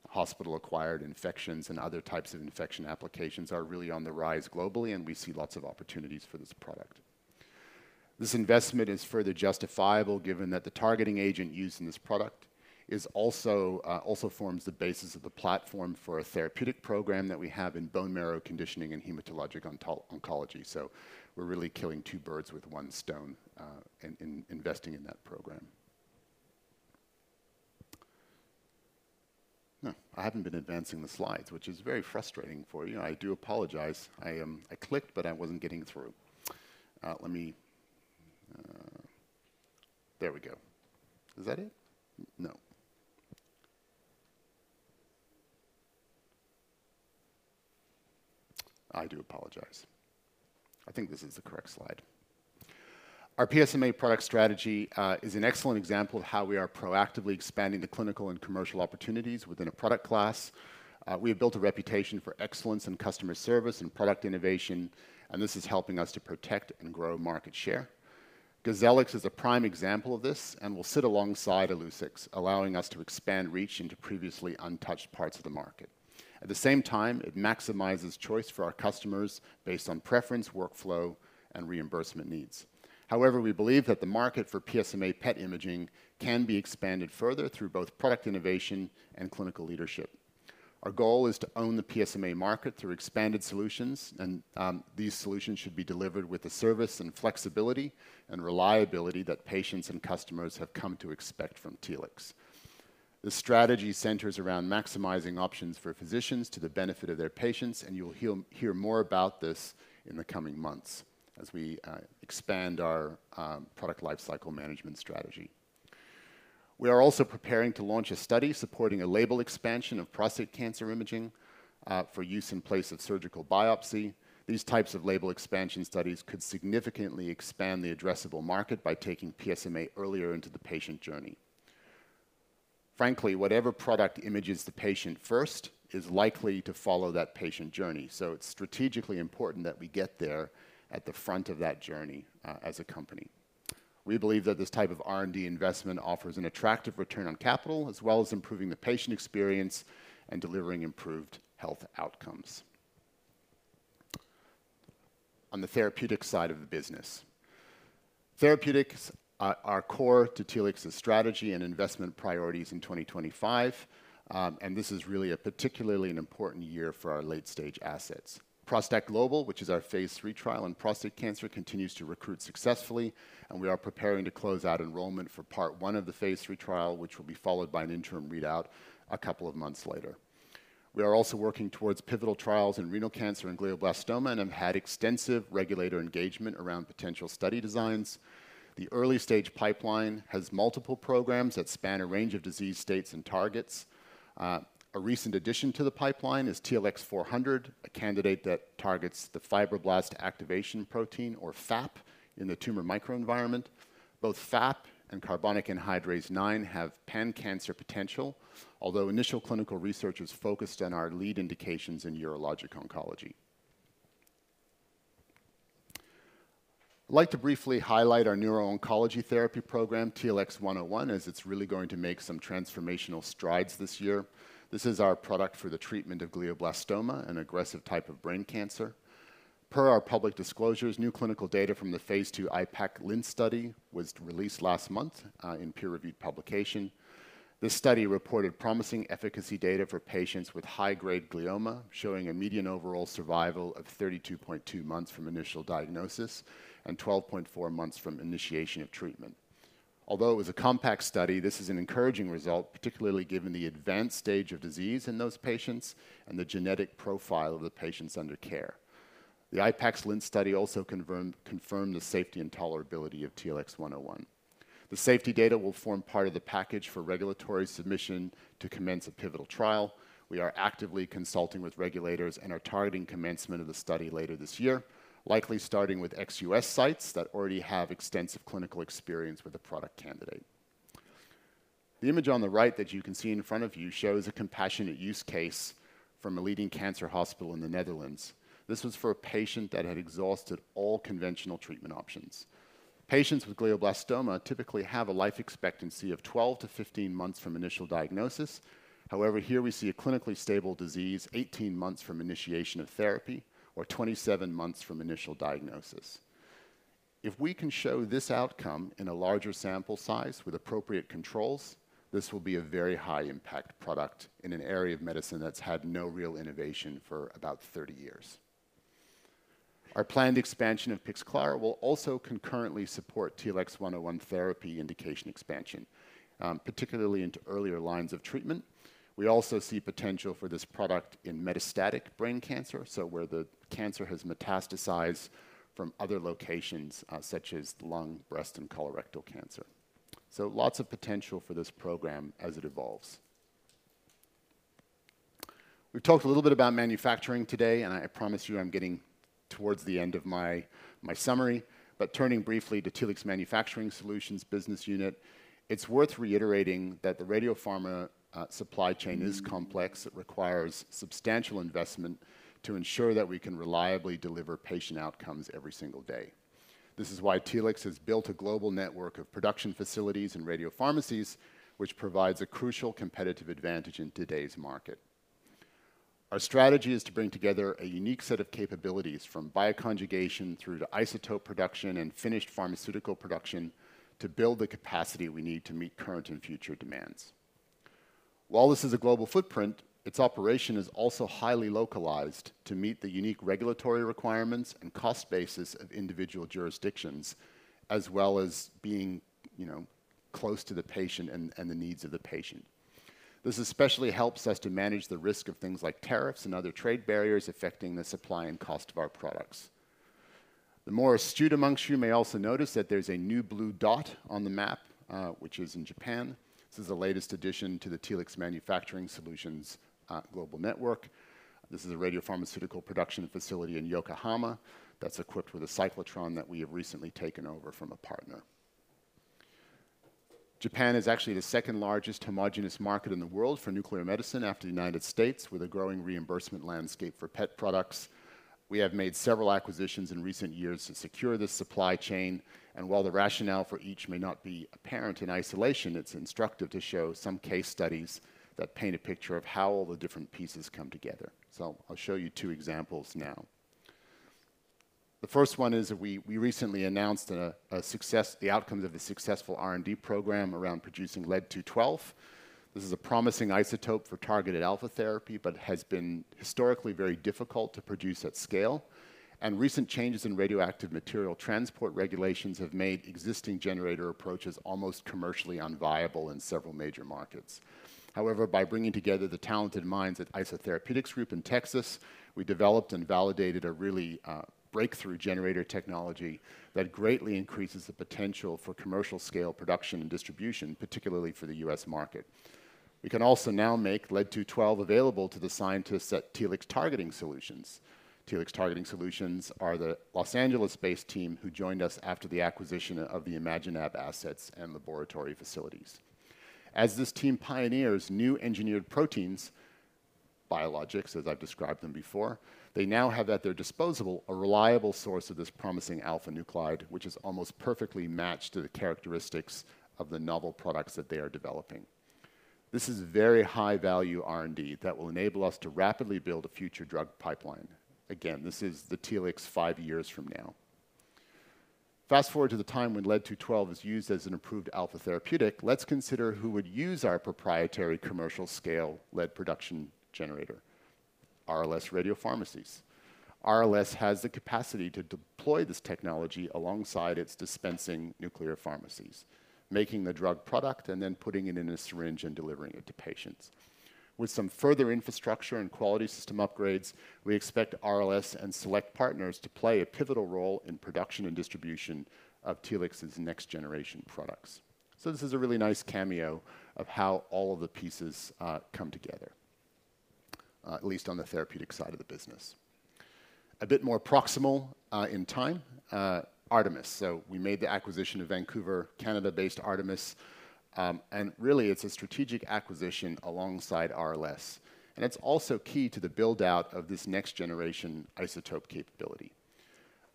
Hospital-acquired infections and other types of infection applications are really on the rise globally, and we see lots of opportunities for this product. This investment is further justifiable given that the targeting agent used in this product also forms the basis of the platform for a therapeutic program that we have in bone marrow conditioning and hematologic oncology. We're really killing two birds with one stone in investing in that program. I haven't been advancing the slides, which is very frustrating for you. I do apologize. I clicked, but I wasn't getting through. There we go. Is that it? No. I do apologize. I think this is the correct slide. Our PSMA product strategy is an excellent example of how we are proactively expanding the clinical and commercial opportunities within a product class. We have built a reputation for excellence in customer service and product innovation, and this is helping us to protect and grow market share. Gozellix is a prime example of this and will sit alongside Illuccix, allowing us to expand reach into previously untouched parts of the market. At the same time, it maximizes choice for our customers based on preference, workflow, and reimbursement needs. However, we believe that the market for PSMA PET imaging can be expanded further through both product innovation and clinical leadership. Our goal is to own the PSMA market through expanded solutions, and these solutions should be delivered with the service and flexibility and reliability that patients and customers have come to expect from Telix. The strategy centers around maximizing options for physicians to the benefit of their patients, and you'll hear more about this in the coming months as we expand our product lifecycle management strategy. We are also preparing to launch a study supporting a label expansion of prostate cancer imaging for use in place of surgical biopsy. These types of label expansion studies could significantly expand the addressable market by taking PSMA earlier into the patient journey. Frankly, whatever product images the patient first is likely to follow that patient journey. It is strategically important that we get there at the front of that journey as a company. We believe that this type of R&D investment offers an attractive return on capital as well as improving the patient experience and delivering improved health outcomes. On the Therapeutic side of the business, Therapeutics are core to Telix's strategy and investment priorities in 2025. This is really a particularly important year for our late-stage assets. ProstACT GLOBAL, which is our Phase III trial in prostate cancer, continues to recruit successfully, and we are preparing to close out enrollment for part one of the Phase III trial, which will be followed by an interim readout a couple of months later. We are also working towards pivotal trials in renal cancer and glioblastoma and have had extensive regulator engagement around potential study designs. The early-stage pipeline has multiple programs that span a range of disease states and targets. A recent addition to the pipeline is TLX400, a candidate that targets the fibroblast activation protein, or FAP, in the tumor microenvironment. Both FAP and carbonic anhydrase-9 have pan-cancer potential, although initial clinical research was focused on our lead indications in Urologic Oncology. I'd like to briefly highlight our Neuro-oncology therapy program, TLX101, as it's really going to make some transformational strides this year. This is our product for the treatment of glioblastoma, an aggressive type of brain cancer. Per our public disclosures, new clinical data from the Phase II IPAX-Linz study was released last month in peer-reviewed publication. This study reported promising efficacy data for patients with high-grade glioma, showing a median overall survival of 32.2 months from initial diagnosis and 12.4 months from initiation of treatment. Although it was a compact study, this is an encouraging result, particularly given the advanced stage of disease in those patients and the genetic profile of the patients under care. The IPAX-Linz study also confirmed the safety and tolerability of TLX101. The safety data will form part of the package for regulatory submission to commence a pivotal trial. We are actively consulting with regulators and are targeting commencement of the study later this year, likely starting with ex-U.S. sites that already have extensive clinical experience with a product candidate. The image on the right that you can see in front of you shows a compassionate use case from a leading cancer hospital in the Netherlands. This was for a patient that had exhausted all conventional treatment options. Patients with glioblastoma typically have a life expectancy of 12-15 months from initial diagnosis. However, here we see a clinically stable disease 18 months from initiation of therapy or 27 months from initial diagnosis. If we can show this outcome in a larger sample size with appropriate controls, this will be a very high-impact product in an area of medicine that's had no real innovation for about 30 years. Our planned expansion of Pixclara will also concurrently support TLX101 therapy indication expansion, particularly into earlier lines of treatment. We also see potential for this product in metastatic brain cancer, where the cancer has metastasized from other locations such as lung, breast, and colorectal cancer. Lots of potential for this program as it evolves. We've talked a little bit about manufacturing today, and I promise you I'm getting towards the end of my summary. Turning briefly to Telix Manufacturing Solutions business unit, it's worth reiterating that the radiopharma supply chain is complex. It requires substantial investment to ensure that we can reliably deliver patient outcomes every single day. This is why Telix has built a global network of production facilities and radiopharmacies, which provides a crucial competitive advantage in today's market. Our strategy is to bring together a unique set of capabilities from bioconjugation through to isotope production and finished pharmaceutical production to build the capacity we need to meet current and future demands. While this is a global footprint, its operation is also highly localized to meet the unique regulatory requirements and cost basis of individual jurisdictions, as well as being close to the patient and the needs of the patient. This especially helps us to manage the risk of things like tariffs and other trade barriers affecting the supply and cost of our products. The more astute amongst you may also notice that there's a new blue dot on the map, which is in Japan. This is the latest addition to the Telix Manufacturing Solutions global network. This is a radiopharmaceutical production facility in Yokohama that's equipped with a cyclotron that we have recently taken over from a partner. Japan is actually the second largest homogenous market in the world for nuclear medicine after the United States, with a growing reimbursement landscape for PET products. We have made several acquisitions in recent years to secure this supply chain. While the rationale for each may not be apparent in isolation, it's instructive to show some case studies that paint a picture of how all the different pieces come together. I'll show you two examples now. The first one is we recently announced the outcomes of the successful R&D program around producing lead-212. This is a promising isotope for targeted alpha therapy, but has been historically very difficult to produce at scale. Recent changes in radioactive material transport regulations have made existing generator approaches almost commercially unviable in several major markets. However, by bringing together the talented minds at Isotherapeutics in Texas, we developed and validated a really breakthrough generator technology that greatly increases the potential for commercial-scale production and distribution, particularly for the U.S. market. We can also now make lead-212 available to the scientists at Telix Targeting Solutions. Telix Targeting Solutions are the Los Angeles-based team who joined us after the acquisition of the ImaginAb assets and laboratory facilities. As this team pioneers new engineered proteins, biologics, as I've described them before, they now have at their disposal a reliable source of this promising alpha nuclide, which is almost perfectly matched to the characteristics of the novel products that they are developing. This is very high-value R&D that will enable us to rapidly build a future drug pipeline. Again, this is the Telix five years from now. Fast forward to the time when lead-212 is used as an improved alpha therapeutic, let's consider who would use our proprietary commercial-scale lead production generator: RLS radiopharmacies. RLS has the capacity to deploy this technology alongside its dispensing nuclear pharmacies, making the drug product and then putting it in a syringe and delivering it to patients. With some further infrastructure and quality system upgrades, we expect RLS and select partners to play a pivotal role in production and distribution of Telix's next-generation products. This is a really nice cameo of how all of the pieces come together, at least on the therapeutic side of the business. A bit more proximal in time, ARTMS. We made the acquisition of Vancouver, Canada-based ARTMS. It is a strategic acquisition alongside RLS. It is also key to the buildout of this next-generation isotope capability.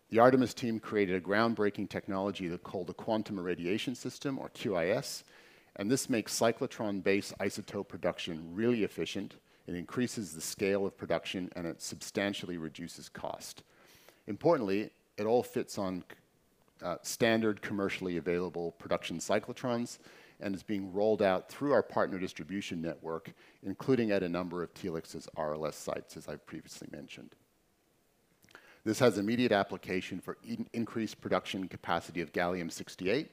The ARTMS team created a groundbreaking technology called the quantum irradiation system, or QIS. This makes cyclotron-based isotope production really efficient. It increases the scale of production, and it substantially reduces cost. Importantly, it all fits on standard commercially available production cyclotrons and is being rolled out through our partner distribution network, including at a number of Telix's RLS sites, as I've previously mentioned. This has immediate application for increased production capacity of gallium-68.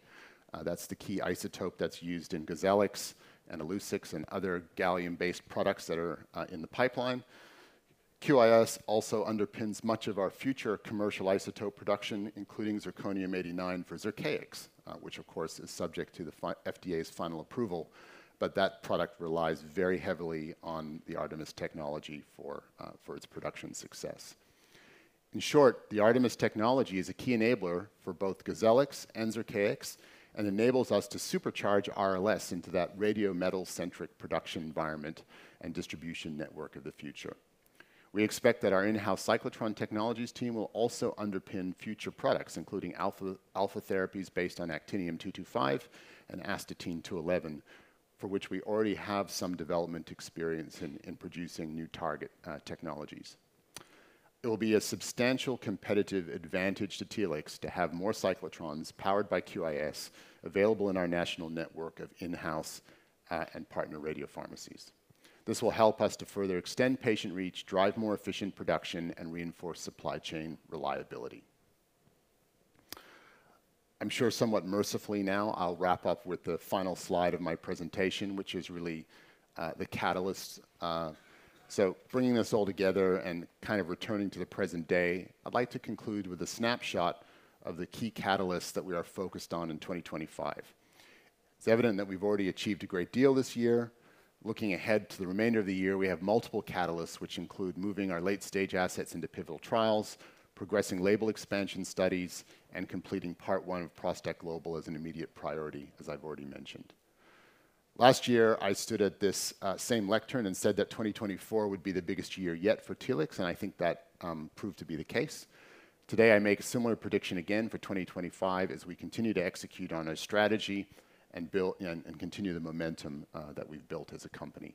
That's the key isotope that's used in Gozellix and Illuccix and other gallium-based products that are in the pipeline. QIS also underpins much of our future commercial isotope production, including zirconium-89 for Zircaix, which, of course, is subject to the FDA's final approval. That product relies very heavily on the ARTMS technology for its production success. In short, the ARTMS technology is a key enabler for both Gozellix and Zircaix and enables us to supercharge RLS into that radiometal-centric production environment and distribution network of the future. We expect that our in-house cyclotron technologies team will also underpin future products, including alpha therapies based on actinium-225 and astatine-211, for which we already have some development experience in producing new target technologies. It will be a substantial competitive advantage to Telix to have more cyclotrons powered by QIS available in our national network of in-house and partner radiopharmacies. This will help us to further extend patient reach, drive more efficient production, and reinforce supply chain reliability. I'm sure somewhat mercifully now, I'll wrap up with the final slide of my presentation, which is really the catalysts. Bringing this all together and kind of returning to the present day, I'd like to conclude with a snapshot of the key catalysts that we are focused on in 2025. It's evident that we've already achieved a great deal this year. Looking ahead to the remainder of the year, we have multiple catalysts, which include moving our late-stage assets into pivotal trials, progressing label expansion studies, and completing part one of ProstACT GLOBAL as an immediate priority, as I've already mentioned. Last year, I stood at this same lectern and said that 2024 would be the biggest year yet for Telix, and I think that proved to be the case. Today, I make a similar prediction again for 2025 as we continue to execute on our strategy and continue the momentum that we've built as a company.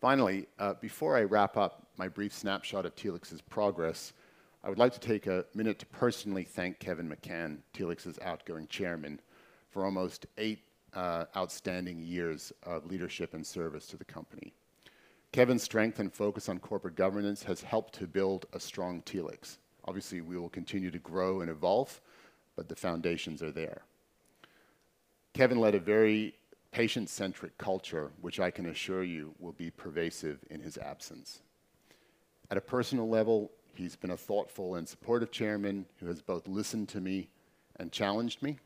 Finally, before I wrap up my brief snapshot of Telix's progress, I would like to take a minute to personally thank Kevin McCann, Telix's outgoing Chairman, for almost eight outstanding years of leadership and service to the Company. Kevin's strength and focus on corporate governance has helped to build a strong Telix. Obviously, we will continue to grow and evolve, but the foundations are there. Kevin led a very patient-centric culture, which I can assure you will be pervasive in his absence. At a personal level, he's been a thoughtful and supportive Chairman who has both listened to me and challenged me.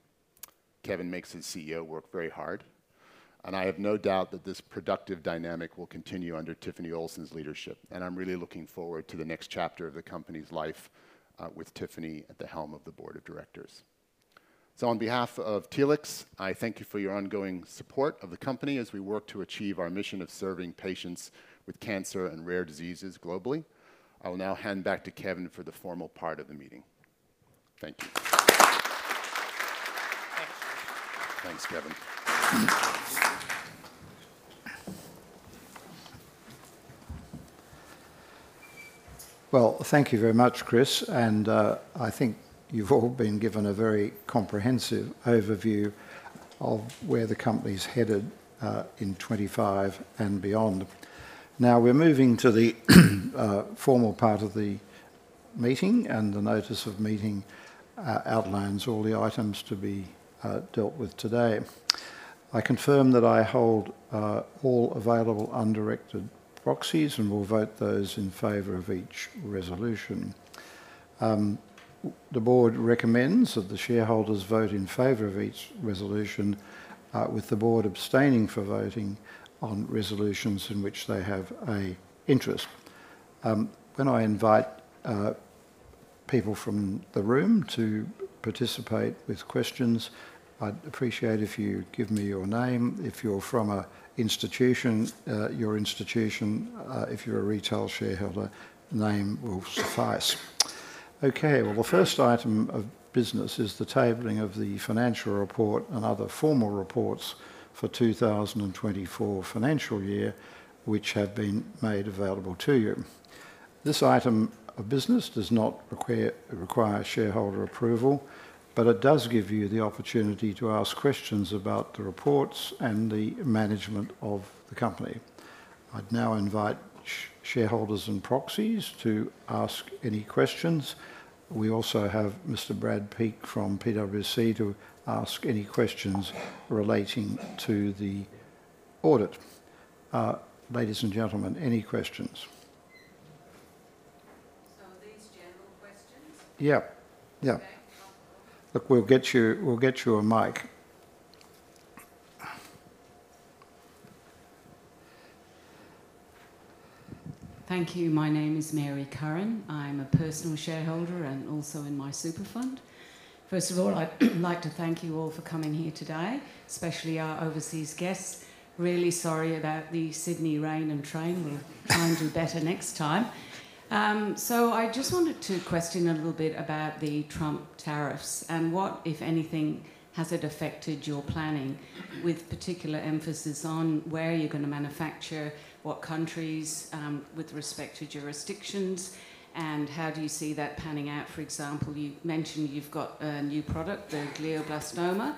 Kevin makes his CEO work very hard. I have no doubt that this productive dynamic will continue under Tiffany Olson's leadership. I'm really looking forward to the next chapter of the Company's life with Tiffany at the helm of the Board of Directors. On behalf of Telix, I thank you for your ongoing support of the company as we work to achieve our mission of serving patients with cancer and rare diseases globally. I will now hand back to Kevin for the formal part of the meeting. Thank you. Thank you, Kevin. Thank you very much, Chris. I think you've all been given a very comprehensive overview of where the Company's headed in 2025 and beyond. Now, we're moving to the formal part of the meeting, and the notice of meeting outlines all the items to be dealt with today. I confirm that I hold all available undirected proxies and will vote those in favor of each resolution. The Board recommends that the shareholders vote in favor of each resolution, with the Board abstaining from voting on resolutions in which they have an interest. When I invite people from the room to participate with questions, I'd appreciate it if you give me your name. If you're from an institution, your institution, if you're a retail shareholder, name will suffice. Okay. The first item of business is the tabling of the financial report and other formal reports for the 2024 financial year, which have been made available to you. This item of business does not require shareholder approval, but it does give you the opportunity to ask questions about the reports and the management of the company. I'd now invite shareholders and proxies to ask any questions. We also have Mr. Brad Peek from PwC to ask any questions relating to the audit. Ladies and gentlemen, any questions? These general questions? Yeah. Yeah. Okay. I'll call. Look, we'll get you a mic. Thank you. My name is Mary Curran. I'm a personal shareholder and also in my super fund. First of all, I'd like to thank you all for coming here today, especially our overseas guests. Really sorry about the Sydney rain and train. We'll try and do better next time. I just wanted to question a little bit about the Trump tariffs and what, if anything, has it affected your planning, with particular emphasis on where you're going to manufacture, what countries with respect to jurisdictions, and how do you see that panning out? For example, you mentioned you've got a new product, the glioblastoma.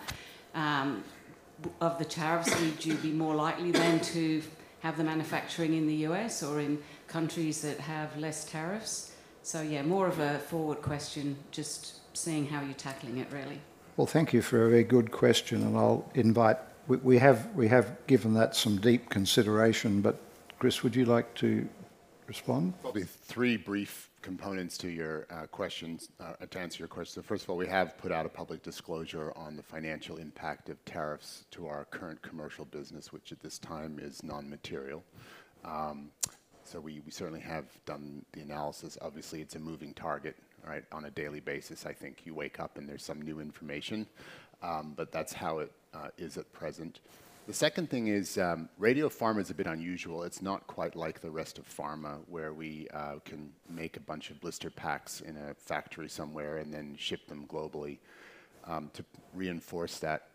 Of the tariffs, would you be more likely then to have the manufacturing in the U.S. or in countries that have less tariffs? Yeah, more of a forward question, just seeing how you're tackling it, really. Thank you for a very good question. I'll invite—we have given that some deep consideration. Chris, would you like to respond? Probably three brief components to your questions to answer your question. First of all, we have put out a public disclosure on the financial impact of tariffs to our current commercial business, which at this time is non-material. We certainly have done the analysis. Obviously, it's a moving target, right? On a daily basis, I think you wake up and there's some new information. That's how it is at present. The second thing is radiopharma is a bit unusual. It's not quite like the rest of pharma where we can make a bunch of blister packs in a factory somewhere and then ship them globally. To reinforce that,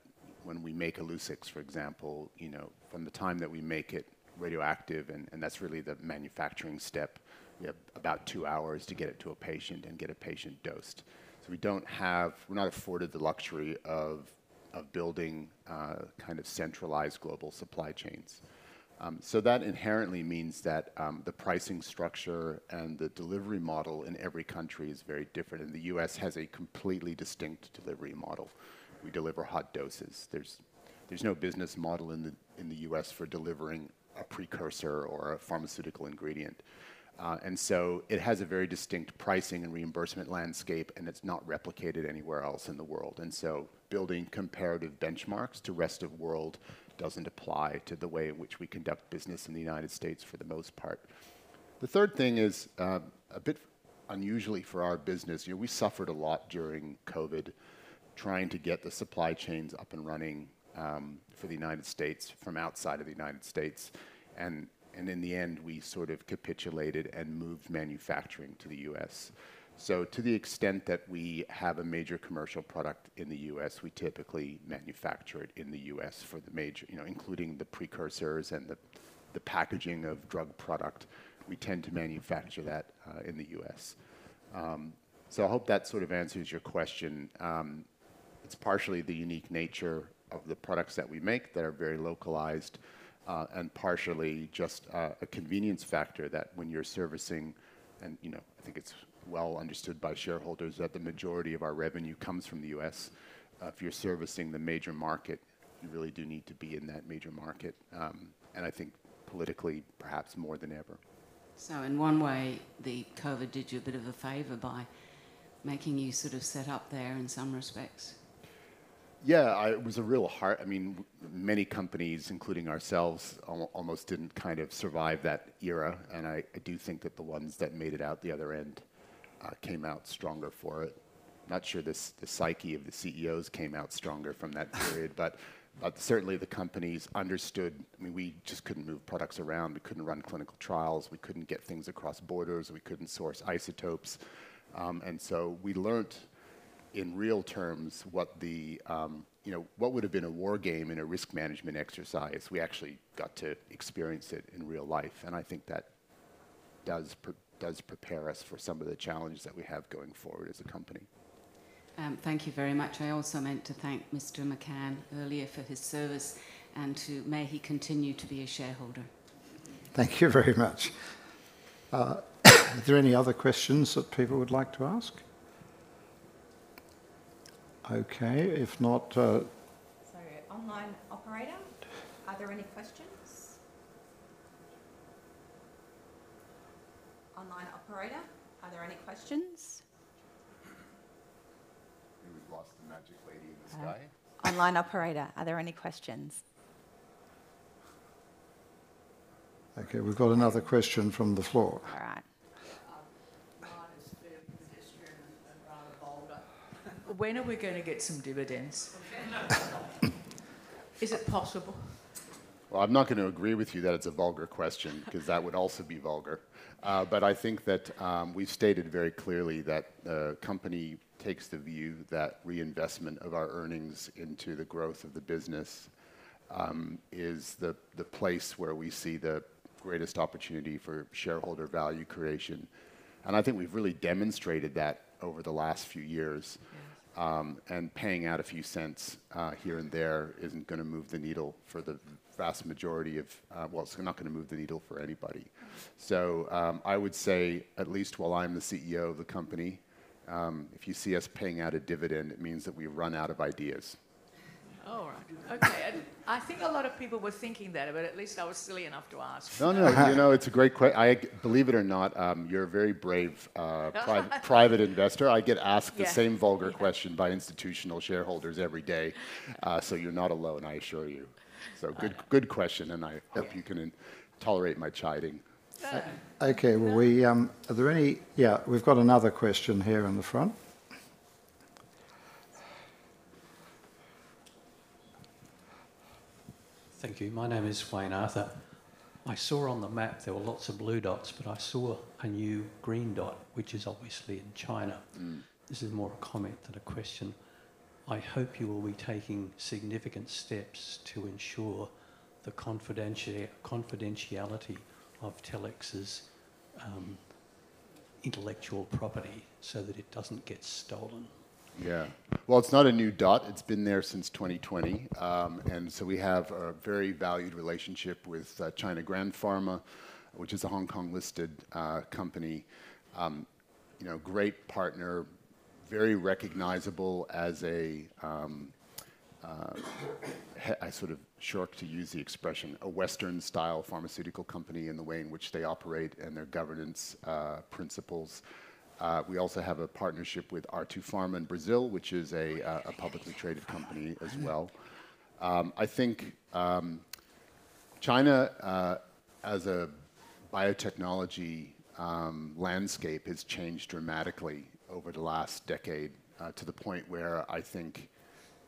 when we make Illuccix, for example, from the time that we make it radioactive, and that's really the manufacturing step, we have about two hours to get it to a patient and get a patient dosed. We are not afforded the luxury of building kind of centralized global supply chains. That inherently means that the pricing structure and the delivery model in every country is very different. The U.S. has a completely distinct delivery model. We deliver hot doses. There is no business model in the U.S. for delivering a precursor or a pharmaceutical ingredient. It has a very distinct pricing and reimbursement landscape, and it is not replicated anywhere else in the world. Building comparative benchmarks to the rest of the world does not apply to the way in which we conduct business in the United States for the most part. The third thing is, a bit unusually for our business, we suffered a lot during COVID trying to get the supply chains up and running for the United States from outside of the United States. In the end, we sort of capitulated and moved manufacturing to the U.S. To the extent that we have a major commercial product in the U.S., we typically manufacture it in the U.S. for the major, including the precursors and the packaging of drug product. We tend to manufacture that in the U.S. I hope that sort of answers your question. It's partially the unique nature of the products that we make that are very localized and partially just a convenience factor that when you're servicing, and I think it's well understood by shareholders that the majority of our revenue comes from the U.S. If you're servicing the major market, you really do need to be in that major market. I think politically, perhaps more than ever. In one way, the COVID did you a bit of a favor by making you sort of set up there in some respects? Yeah, it was a real heart. I mean, many companies, including ourselves, almost didn't kind of survive that era. I do think that the ones that made it out the other end came out stronger for it. Not sure the psyche of the CEOs came out stronger from that period, but certainly the companies understood. I mean, we just couldn't move products around. We couldn't run clinical trials. We couldn't get things across borders. We couldn't source isotopes. We learned in real terms what would have been a war game in a risk management exercise. We actually got to experience it in real life. I think that does prepare us for some of the challenges that we have going forward as a company. Thank you very much. I also meant to thank Mr. McCann earlier for his service and to may he continue to be a shareholder. Thank you very much. Are there any other questions that people would like to ask? Okay. If not. Sorry. Online operator, are there any questions? Online operator, are there any questions? Who's lost the magic lady in the sky? Online operator, are there any questions? Okay. We've got another question from the floor. All right. The hardest to position is rather vulgar. When are we going to get some dividends? Is it possible? I'm not going to agree with you that it's a vulgar question because that would also be vulgar. I think that we've stated very clearly that the Company takes the view that reinvestment of our earnings into the growth of the business is the place where we see the greatest opportunity for shareholder value creation. I think we've really demonstrated that over the last few years. Paying out a few cents here and there is not going to move the needle for the vast majority of, well, it's not going to move the needle for anybody. I would say, at least while I'm the CEO of the Company, if you see us paying out a dividend, it means that we've run out of ideas. All right. Okay. I think a lot of people were thinking that, but at least I was silly enough to ask. No, no. It's a great question. Believe it or not, you're a very brave private investor. I get asked the same vulgar question by institutional shareholders every day. You're not alone, I assure you. Good question, and I hope you can tolerate my chiding. Okay. Are there any—yeah, we've got another question here in the front. Thank you. My name is Wayne Arthur. I saw on the map there were lots of blue dots, but I saw a new green dot, which is obviously in China. This is more a comment than a question. I hope you will be taking significant steps to ensure the confidentiality of Telix's intellectual property so that it doesn't get stolen. Yeah. It's not a new dot. It's been there since 2020. We have a very valued relationship with China Grand Pharma, which is a Hong Kong-listed company. Great partner, very recognizable as a, I sort of shirk to use the expression, a Western-style pharmaceutical company in the way in which they operate and their governance principles. We also have a partnership with ARTO Pharma in Brazil, which is a publicly traded company as well. I think China as a biotechnology landscape has changed dramatically over the last decade to the point where I think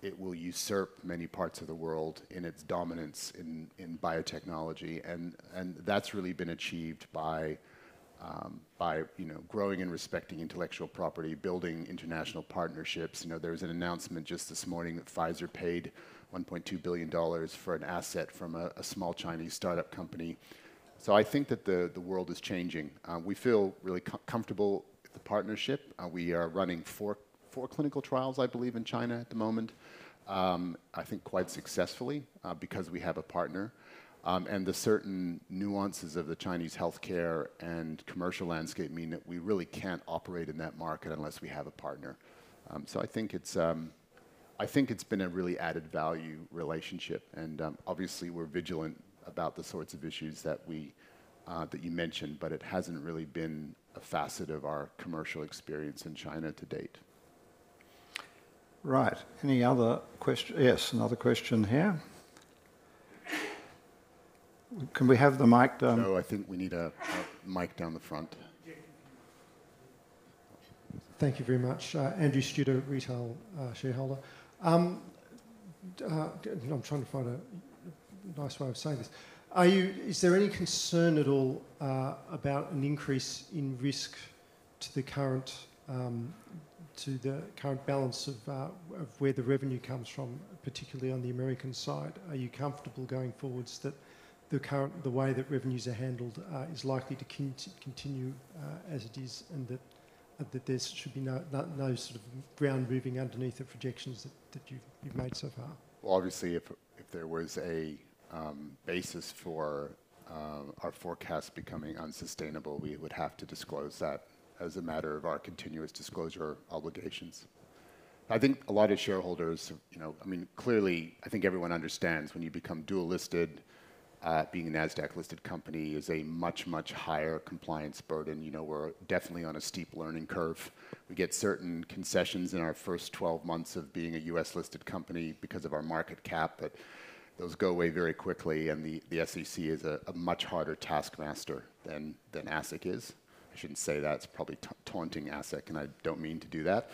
it will usurp many parts of the world in its dominance in biotechnology. That has really been achieved by growing and respecting intellectual property, building international partnerships. There was an announcement just this morning that Pfizer paid $1.2 billion for an asset from a small Chinese startup company. I think that the world is changing. We feel really comfortable with the partnership. We are running four clinical trials, I believe, in China at the moment, I think quite successfully because we have a partner. The certain nuances of the Chinese healthcare and commercial landscape mean that we really can't operate in that market unless we have a partner. I think it's been a really added value relationship. Obviously, we're vigilant about the sorts of issues that you mentioned, but it hasn't really been a facet of our commercial experience in China to date. Right. Any other questions? Yes, another question here. Can we have the mic down? No, I think we need a mic down the front. Thank you very much. Andrew Studer, retail shareholder. I'm trying to find a nice way of saying this. Is there any concern at all about an increase in risk to the current balance of where the revenue comes from, particularly on the American side? Are you comfortable going forwards that the way that revenues are handled is likely to continue as it is and that there should be no sort of ground moving underneath the projections that you've made so far? Obviously, if there was a basis for our forecast becoming unsustainable, we would have to disclose that as a matter of our continuous disclosure obligations. I think a lot of shareholders, I mean, clearly, I think everyone understands when you become dual-listed, being a Nasdaq-listed company is a much, much higher compliance burden. We're definitely on a steep learning curve. We get certain concessions in our first 12 months of being a U.S.-listed company because of our market cap, but those go away very quickly. The SEC is a much harder taskmaster than ASIC is. I shouldn't say that. It's probably taunting ASIC, and I don't mean to do that.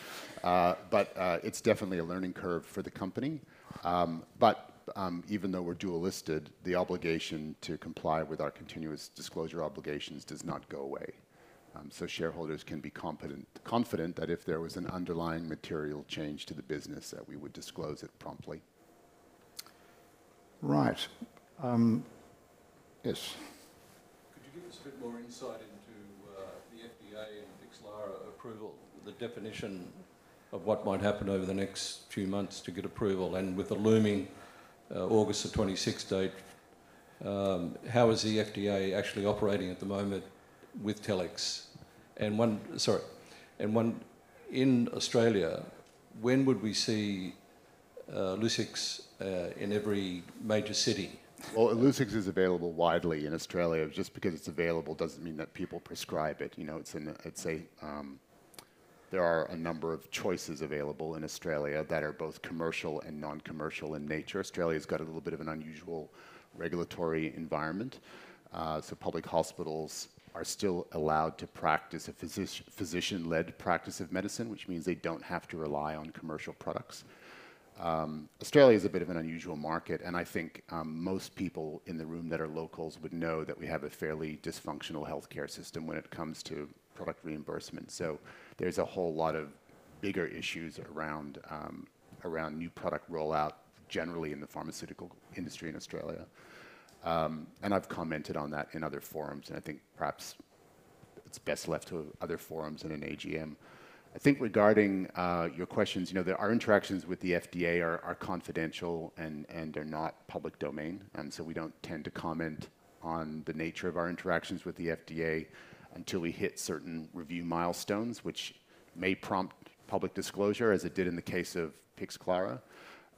It's definitely a learning curve for the company. Even though we're dual-listed, the obligation to comply with our continuous disclosure obligations does not go away. Shareholders can be confident that if there was an underlying material change to the business, we would disclose it promptly. Right. Yes. Could you give us a bit more insight into the FDA and Pixclara approval, the definition of what might happen over the next few months to get approval? With the looming August 26th date, how is the FDA actually operating at the moment with Telix? Sorry. In Australia, when would we see Illuccix in every major city? Illuccix is available widely in Australia. Just because it's available doesn't mean that people prescribe it. There are a number of choices available in Australia that are both commercial and non-commercial in nature. Australia's got a little bit of an unusual regulatory environment. Public hospitals are still allowed to practice a physician-led practice of medicine, which means they don't have to rely on commercial products. Australia is a bit of an unusual market, and I think most people in the room that are locals would know that we have a fairly dysfunctional healthcare system when it comes to product reimbursement. There are a whole lot of bigger issues around new product rollout generally in the pharmaceutical industry in Australia. I've commented on that in other forums, and I think perhaps it's best left to other forums and an AGM. I think regarding your questions, our interactions with the FDA are confidential and are not public domain. We do not tend to comment on the nature of our interactions with the FDA until we hit certain review milestones, which may prompt public disclosure, as it did in the case of Pixclara.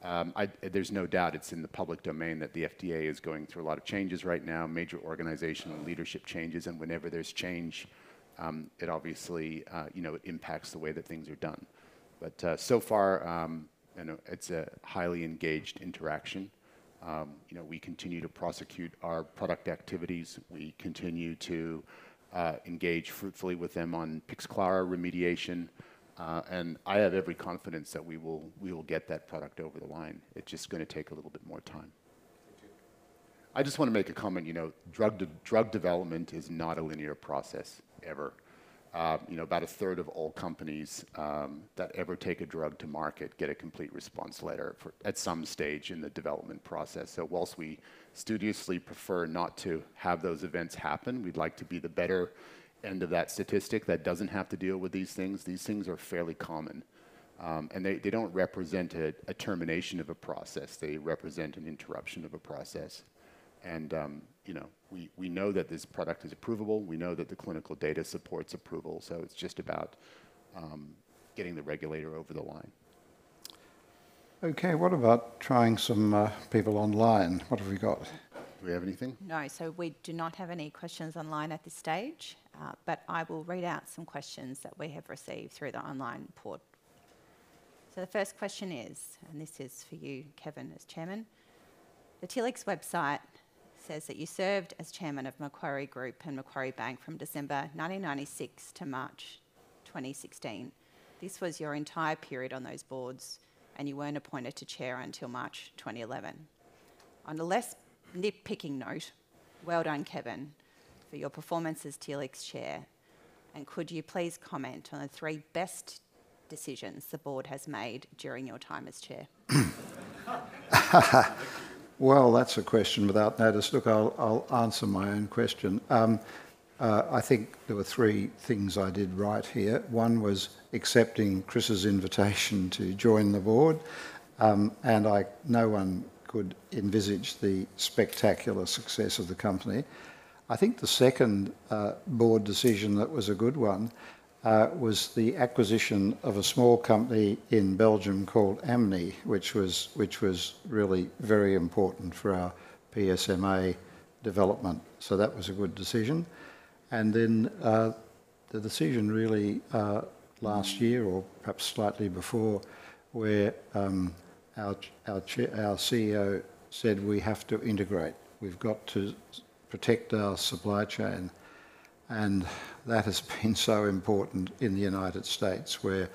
There is no doubt it is in the public domain that the FDA is going through a lot of changes right now, major organizational leadership changes. Whenever there is change, it obviously impacts the way that things are done. So far, it is a highly engaged interaction. We continue to prosecute our product activities. We continue to engage fruitfully with them on Pixclara remediation. I have every confidence that we will get that product over the line. It is just going to take a little bit more time. I just want to make a comment. Drug development is not a linear process ever. About a third of all companies that ever take a drug to market get a complete response letter at some stage in the development process. Whilst we studiously prefer not to have those events happen, we'd like to be the better end of that statistic that doesn't have to deal with these things. These things are fairly common. They don't represent a termination of a process. They represent an interruption of a process. We know that this product is approvable. We know that the clinical data supports approval. It's just about getting the regulator over the line. Okay. What about trying some people online? What have we got? Do we have anything? No. We do not have any questions online at this stage. I will read out some questions that we have received through the online port. The first question is, and this is for you, Kevin, as Chairman. The Telix website says that you served as Chairman of Macquarie Group and Macquarie Bank from December 1996 to March 2016. This was your entire period on those boards, and you were not appointed to Chair until March 2011. On a less nitpicking note, well done, Kevin, for your performance as Telix Chair. Could you please comment on the three best decisions the board has made during your time as Chair? That is a question without notice. Look, I will answer my own question. I think there were three things I did right here. One was accepting Chris's invitation to join the Board. No one could envisage the spectacular success of the Company. I think the second Board decision that was a good one was the acquisition of a small company in Belgium called ANMI, which was really very important for our PSMA development. That was a good decision. The decision really last year or perhaps slightly before where our CEO said, "We have to integrate. We've got to protect our supply chain." That has been so important in the United States where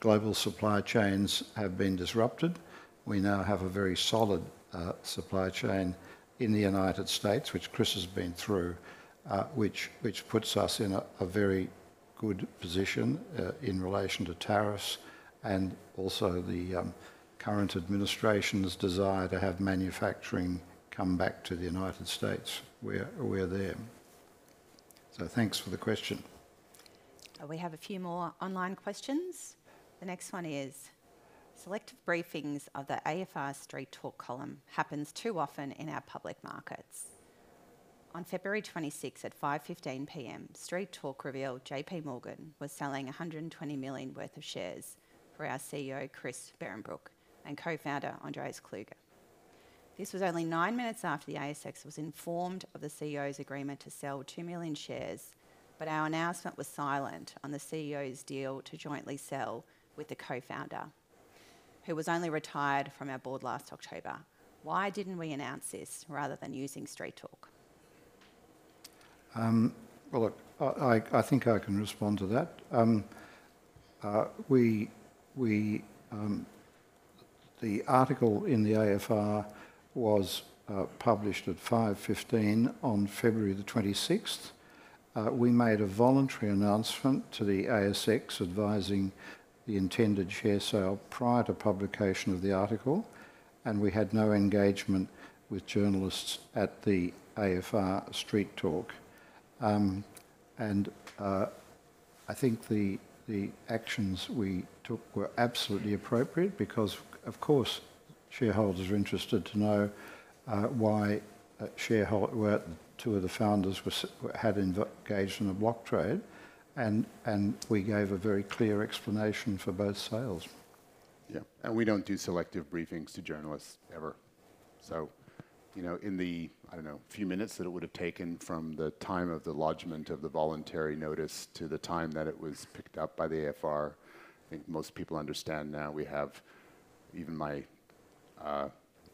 global supply chains have been disrupted. We now have a very solid supply chain in the United States, which Chris has been through, which puts us in a very good position in relation to tariffs and also the current administration's desire to have manufacturing come back to the United States. We're there. Thanks for the question. We have a few more online questions. The next one is, "Selective briefings of the AFR Street Talk column happens too often in our public markets." On February 26th at 5:15 P.M., Street Talk revealed JPMorgan was selling $120 million worth of shares for our CEO, Chris Behrenbruch, and Co-Founder Andreas Kluge. This was only nine minutes after the ASX was informed of the CEO's agreement to sell 2 million shares, but our announcement was silent on the CEO's deal to jointly sell with the Co-Founder, who was only retired from our Board last October. Why didn't we announce this rather than using Street Talk? I think I can respond to that. The article in the AFR was published at 5:15 P.M. on February 26th. We made a voluntary announcement to the ASX advising the intended share sale prior to publication of the article. We had no engagement with journalists at the AFR Street Talk. I think the actions we took were absolutely appropriate because, of course, shareholders are interested to know why two of the founders had engaged in a block trade. We gave a very clear explanation for both sales. Yeah. We do not do selective briefings to journalists ever. In the, I do not know, few minutes that it would have taken from the time of the lodgement of the voluntary notice to the time that it was picked up by the AFR, I think most people understand now. Even my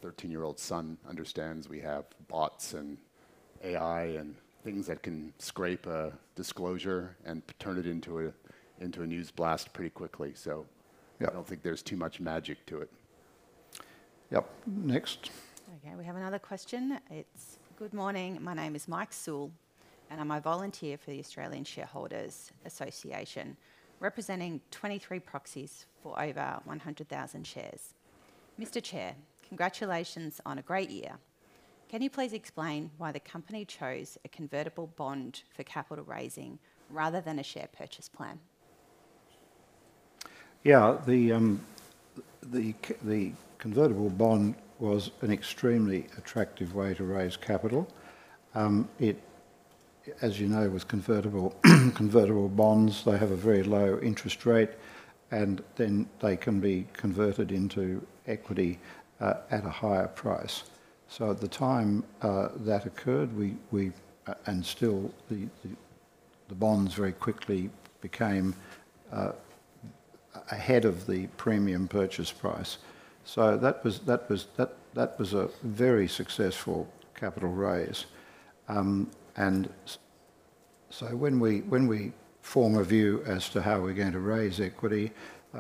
13-year-old son understands we have bots and AI and things that can scrape a disclosure and turn it into a news blast pretty quickly. I do not think there is too much magic to it. Yep. Next. Okay. We have another question. It is, "Good morning. My name is Mike Suhl, and I'm a volunteer for the Australian Shareholders Association, representing 23 proxies for over 100,000 shares. Mr. Chair, congratulations on a great year. Can you please explain why the Company chose a convertible bond for capital raising rather than a share purchase plan? Yeah. The convertible bond was an extremely attractive way to raise capital. As you know, with convertible bonds, they have a very low interest rate, and then they can be converted into equity at a higher price. At the time that occurred, and still, the bonds very quickly became ahead of the premium purchase price. That was a very successful capital raise. When we form a view as to how we're going to raise equity,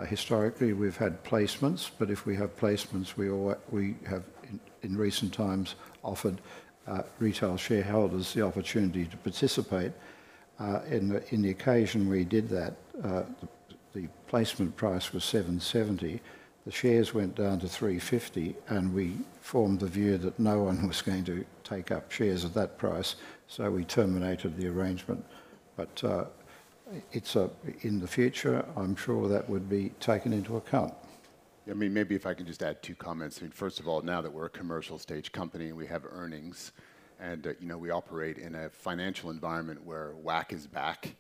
historically, we've had placements. If we have placements, we have, in recent times, offered retail shareholders the opportunity to participate. In the occasion we did that, the placement price was $7.70. The shares went down to $3.50, and we formed the view that no one was going to take up shares at that price. We terminated the arrangement. In the future, I'm sure that would be taken into account. I mean, maybe if I can just add two comments. First of all, now that we're a commercial-stage company, we have earnings, and we operate in a financial environment where WAC is back.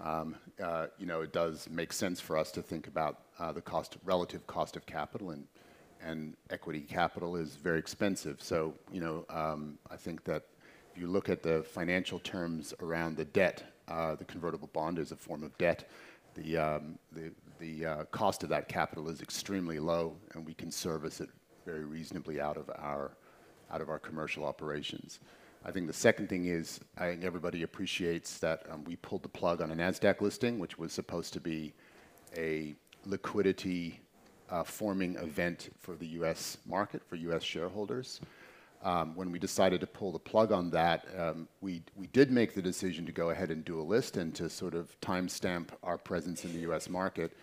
It does make sense for us to think about the relative cost of capital, and equity capital is very expensive. I think that if you look at the financial terms around the debt, the convertible bond is a form of debt. The cost of that capital is extremely low, and we can service it very reasonably out of our commercial operations. I think the second thing is, I think everybody appreciates that we pulled the plug on a Nasdaq listing, which was supposed to be a liquidity-forming event for the U.S. market, for U.S. shareholders. When we decided to pull the plug on that, we did make the decision to go ahead and do a list and to sort of timestamp our presence in the U.S. market.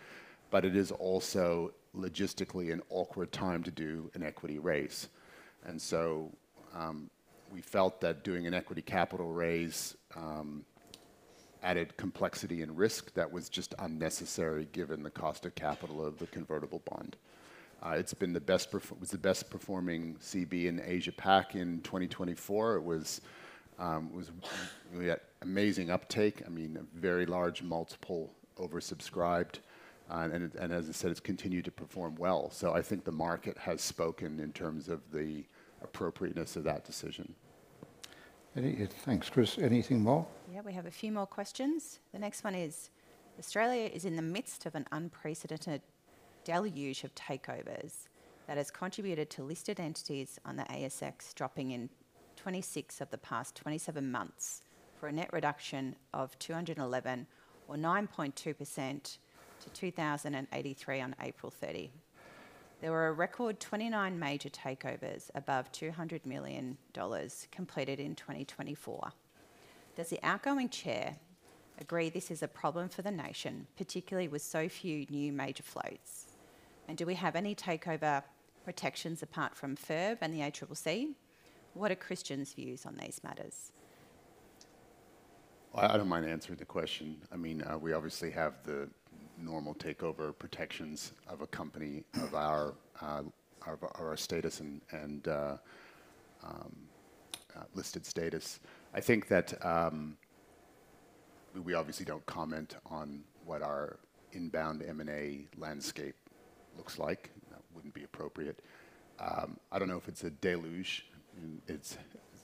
It is also logistically an awkward time to do an equity raise. We felt that doing an equity capital raise added complexity and risk that was just unnecessary given the cost of capital of the convertible bond. It was the best-performing CB in Asia-Pac in 2024. It was an amazing uptake. I mean, a very large multiple oversubscribed. As I said, it's continued to perform well. I think the market has spoken in terms of the appropriateness of that decision. Thanks, Chris. Anything more? Yeah. We have a few more questions. The next one is, "Australia is in the midst of an unprecedented deluge of takeovers that has contributed to listed entities on the ASX dropping in 26 of the past 27 months for a net reduction of 211 or 9.2% to 2,083 on April 30. There were a record 29 major takeovers above $200 million completed in 2024. Does the outgoing Chair agree this is a problem for the nation, particularly with so few new major floats? And do we have any takeover protections apart from FIRB and the ACCC? What are Christian's views on these matters?" I don't mind answering the question. I mean, we obviously have the normal takeover protections of a Company of our status and listed status. I think that we obviously don't comment on what our inbound M&A landscape looks like. That wouldn't be appropriate. I don't know if it's a deluge.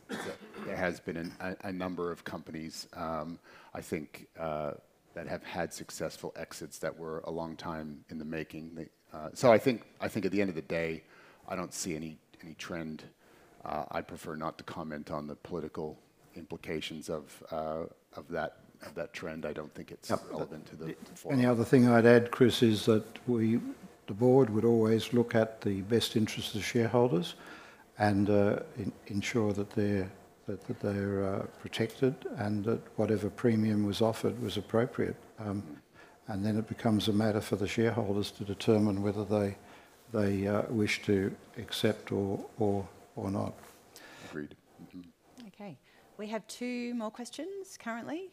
There has been a number of companies, I think, that have had successful exits that were a long time in the making. I think at the end of the day, I don't see any trend. I'd prefer not to comment on the political implications of that trend. I don't think it's relevant to the forum. Any other thing I'd add, Chris, is that the Board would always look at the best interests of shareholders and ensure that they're protected and that whatever premium was offered was appropriate. It becomes a matter for the shareholders to determine whether they wish to accept or not. Agreed. Okay. We have two more questions currently.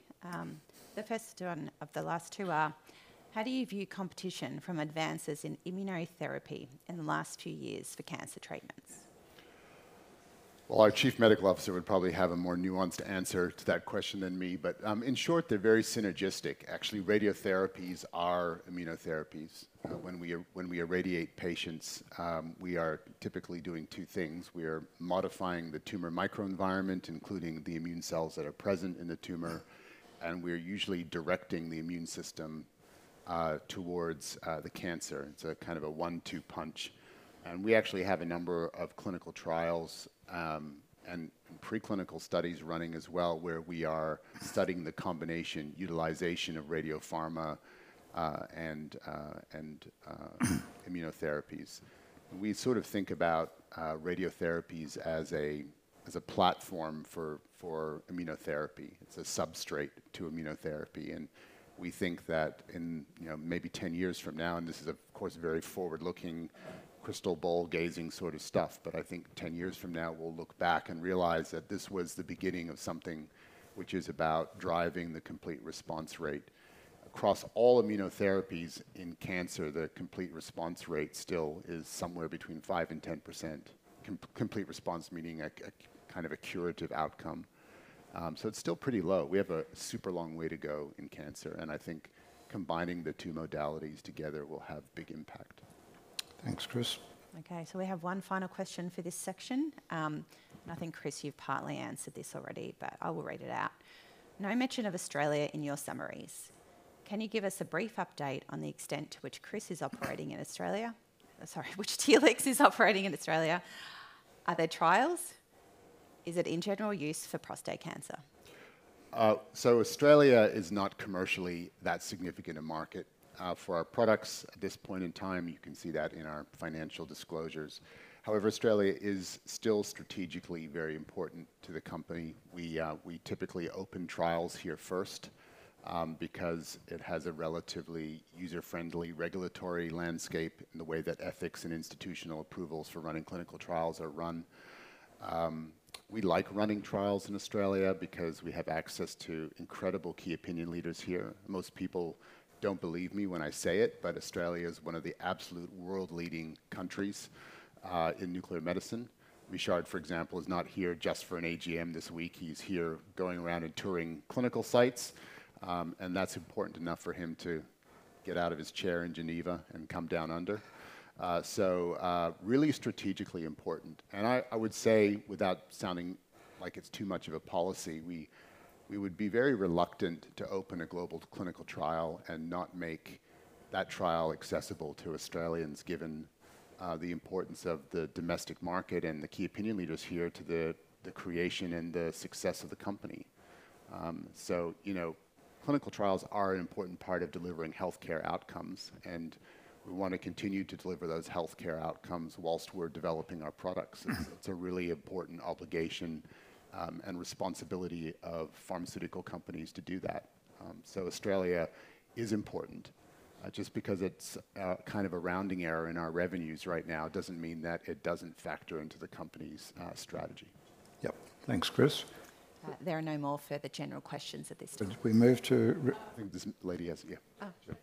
The first one of the last two are, "How do you view competition from advances in immunotherapy in the last few years for cancer treatments?" Our Chief Medical Officer would probably have a more nuanced answer to that question than me. In short, they're very synergistic. Actually, radiotherapies are immunotherapies. When we irradiate patients, we are typically doing two things. We are modifying the tumor microenvironment, including the immune cells that are present in the tumor. We are usually directing the immune system towards the cancer. It's kind of a one-two punch. We actually have a number of clinical trials and preclinical studies running as well where we are studying the combination utilization of radiopharma and immunotherapies. We sort of think about radiotherapies as a platform for immunotherapy. It's a substrate to immunotherapy. We think that in maybe 10 years from now, and this is, of course, very forward-looking, crystal ball gazing sort of stuff, but I think 10 years from now, we'll look back and realize that this was the beginning of something which is about driving the complete response rate. Across all immunotherapies in cancer, the complete response rate still is somewhere between 5% and 10%. Complete response meaning kind of a curative outcome. It is still pretty low. We have a super long way to go in cancer. I think combining the two modalities together will have big impact. Thanks, Chris. Okay. We have one final question for this section. I think, Chris, you've partly answered this already, but I will read it out. "No mention of Australia in your summaries. Can you give us a brief update on the extent to which Chris is operating in Australia? Sorry, which Telix is operating in Australia? Are there trials? Is it in general use for prostate cancer? Australia is not commercially that significant a market for our products. At this point in time, you can see that in our financial disclosures. However, Australia is still strategically very important to the Company. We typically open trials here first because it has a relatively user-friendly regulatory landscape in the way that ethics and institutional approvals for running clinical trials are run. We like running trials in Australia because we have access to incredible key opinion leaders here. Most people do not believe me when I say it, but Australia is one of the absolute world-leading countries in nuclear medicine. Richard, for example, is not here just for an AGM this week. He's here going around and touring clinical sites. That's important enough for him to get out of his chair in Geneva and come down under. Really strategically important. I would say, without sounding like it's too much of a policy, we would be very reluctant to open a global clinical trial and not make that trial accessible to Australians given the importance of the domestic market and the key opinion leaders here to the creation and the success of the Company. Clinical trials are an important part of delivering healthcare outcomes. We want to continue to deliver those healthcare outcomes whilst we're developing our products. It's a really important obligation and responsibility of pharmaceutical companies to do that. Australia is important. Just because it's kind of a rounding error in our revenues right now doesn't mean that it doesn't factor into the Company's strategy. Yep. Thanks, Chris. There are no more further general questions at this time. We move to. I think this lady has. Yeah. It's a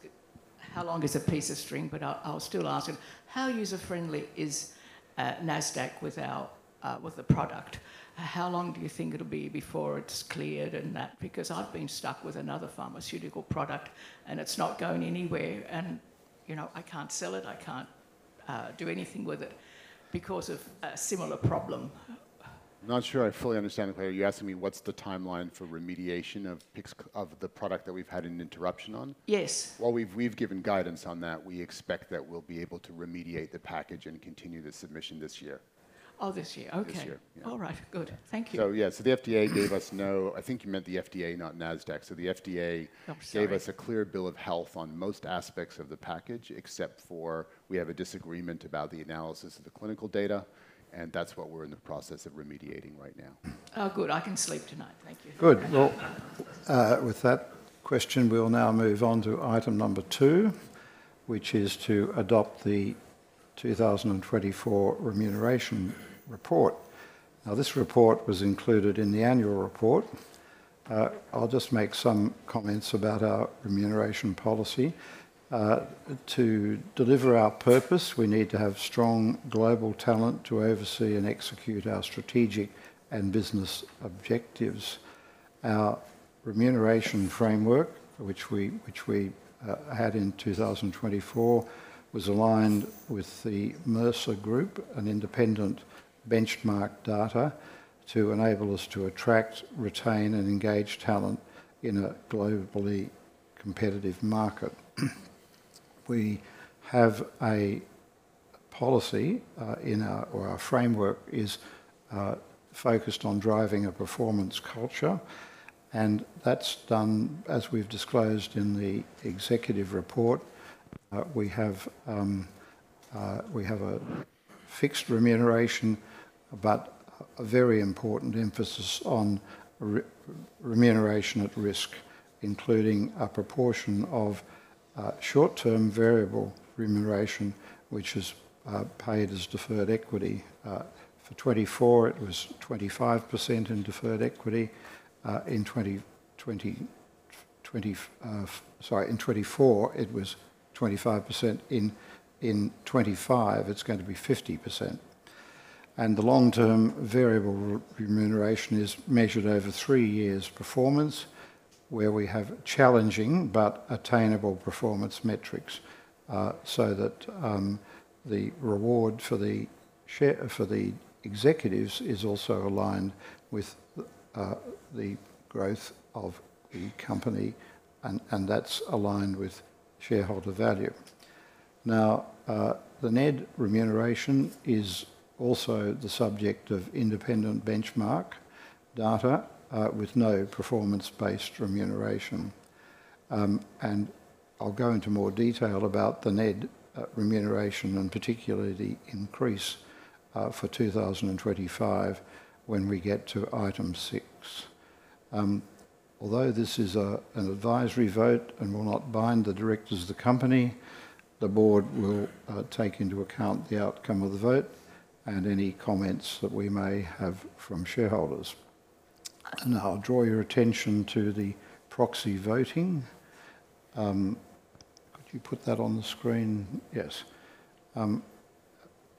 bit about how long is a piece of string, but I'm going to ask it. How long is a piece of string, but I'll still ask it. How user-friendly is Nasdaq with the product? How long do you think it'll be before it's cleared and that? Because I've been stuck with another pharmaceutical product, and it's not going anywhere. I can't sell it. I can't do anything with it because of a similar problem. I'm not sure I fully understand. Are you asking me what's the timeline for remediation of the product that we've had an interruption on? Yes. We've given guidance on that. We expect that we'll be able to remediate the package and continue the submission this year. Oh, this year. Okay. This year. Yeah. All right. Good. Thank you. Yeah. The FDA gave us no. I think you meant the FDA, not Nasdaq. The FDA gave us a clear bill of health on most aspects of the package, except for we have a disagreement about the analysis of the clinical data. That is what we are in the process of remediating right now. Oh, good. I can sleep tonight. Thank you. Good. With that question, we will now move on to item number two, which is to adopt the 2024 remuneration report. This report was included in the annual report. I will just make some comments about our remuneration policy. To deliver our purpose, we need to have strong global talent to oversee and execute our strategic and business objectives. Our remuneration framework, which we had in 2024, was aligned with the Mercer Group and independent benchmark data to enable us to attract, retain, and engage talent in a globally competitive market. We have a policy or our framework is focused on driving a performance culture. That's done, as we've disclosed in the Executive report. We have a fixed remuneration, but a very important emphasis on remuneration at risk, including a proportion of short-term variable remuneration, which is paid as deferred equity. For 2024, it was 25% in deferred equity. In 2024, it was 25%. In 2025, it's going to be 50%. The long-term variable remuneration is measured over three years' performance, where we have challenging but attainable performance metrics so that the reward for the Executives is also aligned with the growth of the company, and that's aligned with shareholder value. Now, the NED remuneration is also the subject of independent benchmark data with no performance-based remuneration. I'll go into more detail about the NED remuneration and particularly the increase for 2025 when we get to item six. Although this is an advisory vote and will not bind the Directors of the company, the Board will take into account the outcome of the vote and any comments that we may have from shareholders. I'll draw your attention to the proxy voting. Could you put that on the screen? Yes.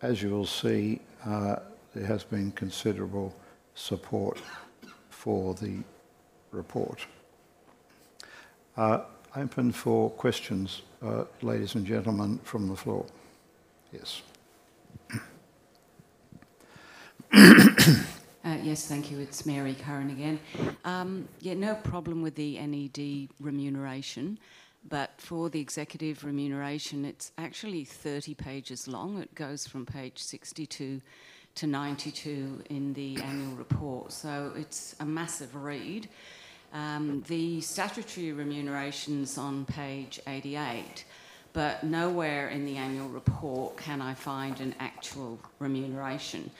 As you will see, there has been considerable support for the report. Open for questions, ladies and gentlemen from the floor. Yes. Thank you. It's Mary Curran again. Yeah. No problem with the NED remuneration. For the Executive remuneration, it's actually 30 pages long. It goes from page 62-92 in the annual report. It's a massive read. The statutory remuneration's on page 88, but nowhere in the annual report can I find an actual remuneration.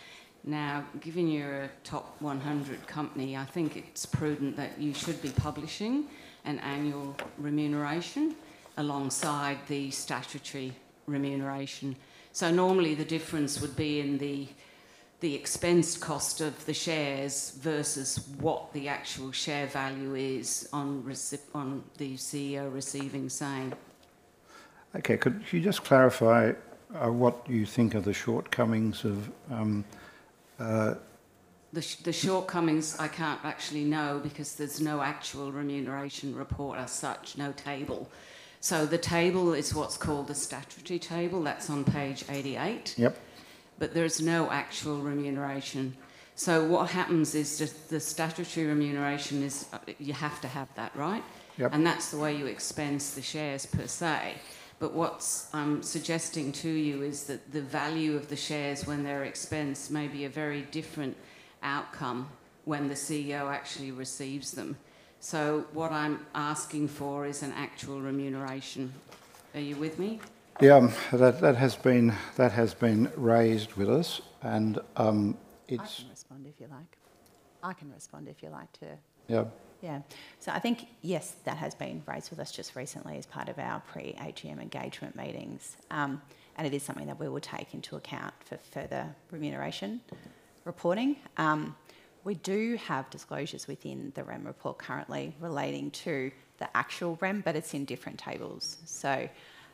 Now, given you're a top 100 company, I think it's prudent that you should be publishing an annual remuneration alongside the statutory remuneration. Normally, the difference would be in the expense cost of the shares versus what the actual share value is on the CEO receiving, say. Okay. Could you just clarify what you think are the shortcomings of? The shortcomings, I can't actually know because there's no actual remuneration report as such, no table. The table is what's called the statutory table. That's on page 88. There is no actual remuneration. What happens is the statutory remuneration is you have to have that, right? That's the way you expense the shares per se. What I'm suggesting to you is that the value of the shares when they're expensed may be a very different outcome when the CEO actually receives them. What I'm asking for is an actual remuneration. Are you with me? Yeah. That has been raised with us. I can respond if you like. I can respond if you like to. Yeah. Yeah. I think, yes, that has been raised with us just recently as part of our pre-AGM engagement meetings. It is something that we will take into account for further remuneration reporting. We do have disclosures within the REM report currently relating to the actual REM, but it's in different tables.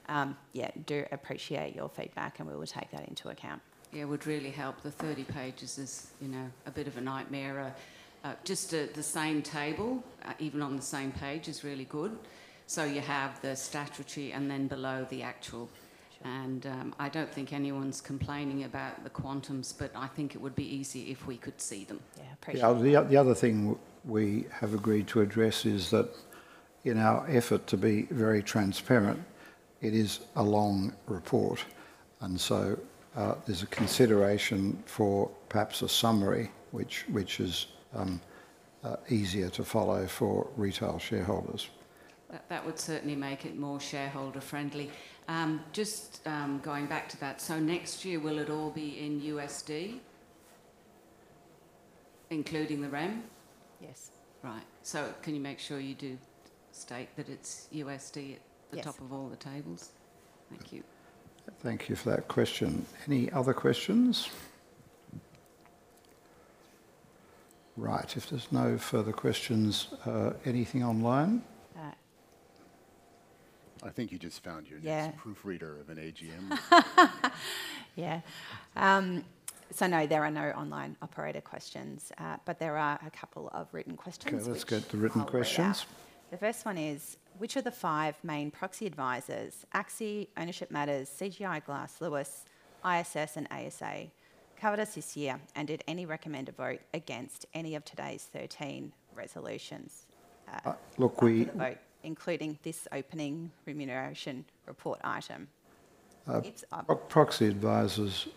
Yeah, do appreciate your feedback, and we will take that into account. Yeah. Would really help. The 30 pages is a bit of a nightmare. Just the same table, even on the same page, is really good. So you have the statutory and then below the actual. And I do not think anyone's complaining about the quantums, but I think it would be easy if we could see them. Yeah. Appreciate it. The other thing we have agreed to address is that in our effort to be very transparent, it is a long report. And so there is a consideration for perhaps a summary, which is easier to follow for retail shareholders. That would certainly make it more shareholder-friendly. Just going back to that, so next year, will it all be in USD, including the REM? Yes. Right. So can you make sure you do state that it is USD at the top of all the tables? Thank you. Thank you for that question. Any other questions? Right. If there are no further questions, anything online? I think you just found your proofreader of an AGM. Yeah. No, there are no online operator questions, but there are a couple of written questions. Okay. Let's get the written questions. The first one is, which of the five main proxy advisors, AXI, Ownership Matters, CGI, Glass Lewis, ISS, and ASA, covered us this year and did any recommend a vote against any of today's 13 resolutions? Look, we included. A vote, including this opening remuneration report item. Proxy advisors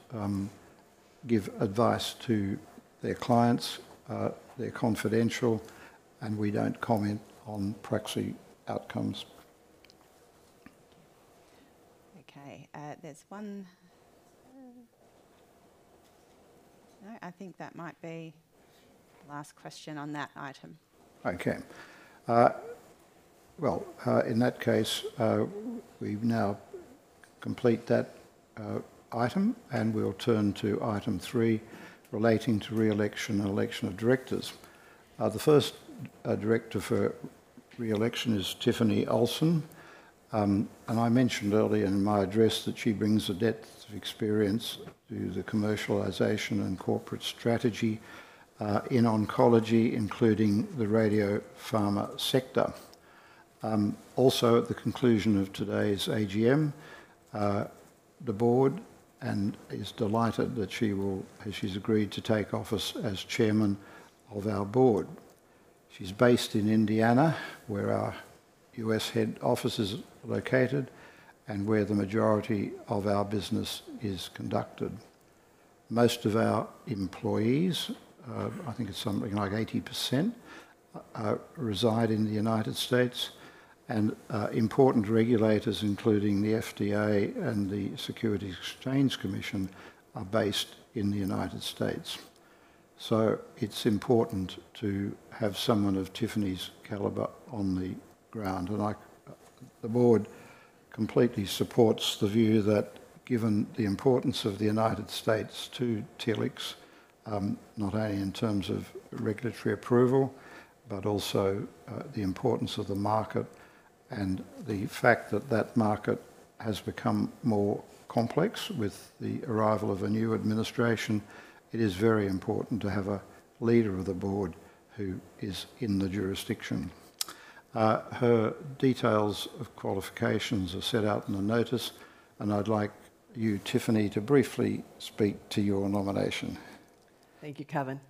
give advice to their clients. They're confidential, and we don't comment on proxy outcomes. Okay. There's one—no, I think that might be the last question on that item. Okay. In that case, we now complete that item, and we'll turn to item three relating to reelection and election of Directors. The first Director for reelection is Tiffany Olson. I mentioned earlier in my address that she brings a depth of experience to the commercialization and corporate strategy in oncology, including the radiopharma sector. Also, at the conclusion of today's AGM, the Board is delighted that she's agreed to take office as Chairman of our Board. She's based in Indiana, where our U.S. head office is located and where the majority of our business is conducted. Most of our employees, I think it's something like 80%, reside in the United States. Important regulators, including the FDA and the Securities Exchange Commission, are based in the United States. It is important to have someone of Tiffany's calibre on the ground. The Board completely supports the view that, given the importance of the United States to Telix, not only in terms of regulatory approval, but also the importance of the market and the fact that that market has become more complex with the arrival of a new administration, it is very important to have a leader of the Board who is in the jurisdiction. Her details of qualifications are set out in the notice. I'd like you, Tiffany, to briefly speak to your nomination. Thank you, Kevin.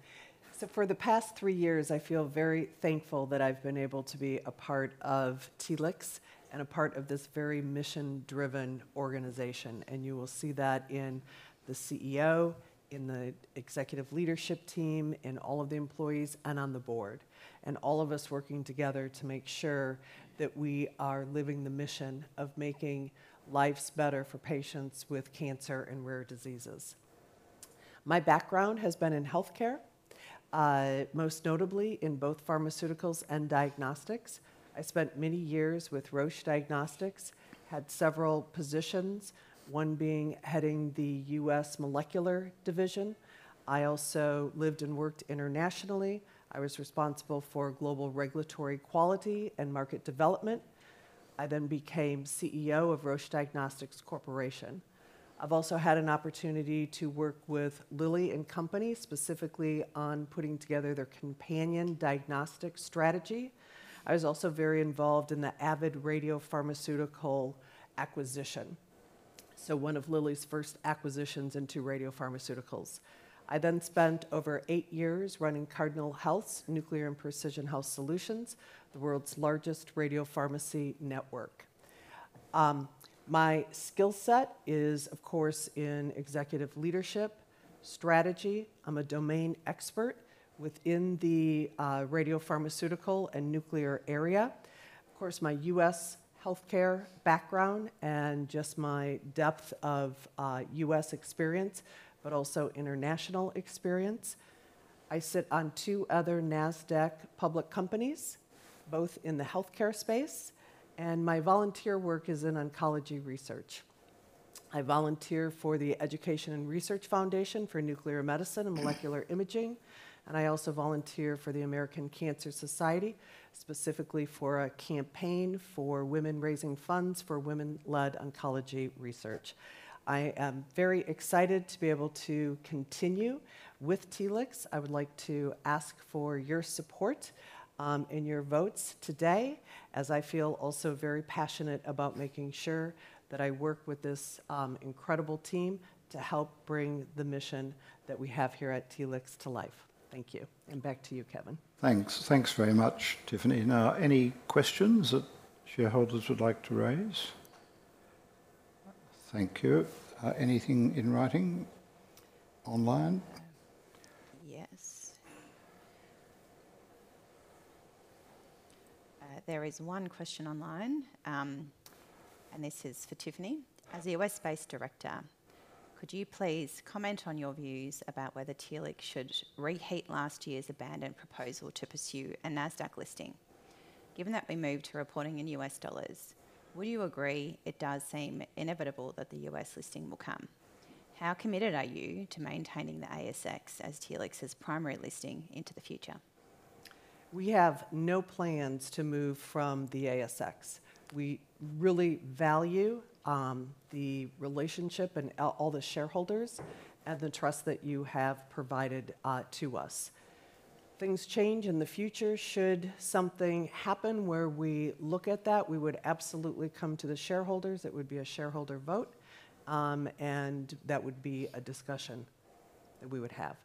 For the past three years, I feel very thankful that I've been able to be a part of Telix and a part of this very mission-driven organization. You will see that in the CEO, in the executive leadership team, in all of the employees, and on the Board, all of us working together to make sure that we are living the mission of making lives better for patients with cancer and rare diseases. My background has been in healthcare, most notably in both pharmaceuticals and diagnostics. I spent many years with Roche Diagnostics, had several positions, one being heading the U.S. molecular division. I also lived and worked internationally. I was responsible for global regulatory quality and market development. I then became CEO of Roche Diagnostics Corporation. I've also had an opportunity to work with Lilly and Company specifically on putting together their companion diagnostic strategy. I was also very involved in the Avid radiopharmaceutical acquisition, one of Lilly's first acquisitions into radiopharmaceuticals. I then spent over eight years running Cardinal Health's nuclear and precision health solutions, the world's largest radiopharmacy network. My skill set is, of course, in Executive leadership strategy. I'm a domain expert within the radiopharmaceutical and nuclear area. Of course, my U.S. healthcare background and just my depth of U.S. experience, but also international experience. I sit on two other Nasdaq public companies, both in the healthcare space. My volunteer work is in oncology research. I volunteer for the Education and Research Foundation for Nuclear Medicine and Molecular Imaging. I also volunteer for the American Cancer Society, specifically for a campaign for women raising funds for women-led oncology research. I am very excited to be able to continue with Telix. I would like to ask for your support and your votes today, as I feel also very passionate about making sure that I work with this incredible team to help bring the mission that we have here at Telix to life. Thank you. Back to you, Kevin. Thanks. Thanks very much, Tiffany. Now, any questions that shareholders would like to raise? Thank you. Anything in writing online? Yes. There is one question online. This is for Tiffany. As a U.S.-based Director, could you please comment on your views about whether Telix should reheat last year's abandoned proposal to pursue a Nasdaq listing? Given that we moved to reporting in U.S. dollars, would you agree it does seem inevitable that the U.S. listing will come? How committed are you to maintaining the ASX as Telix's primary listing into the future? We have no plans to move from the ASX. We really value the relationship and all the shareholders and the trust that you have provided to us. Things change in the future. Should something happen where we look at that, we would absolutely come to the shareholders. It would be a shareholder vote, and that would be a discussion that we would have.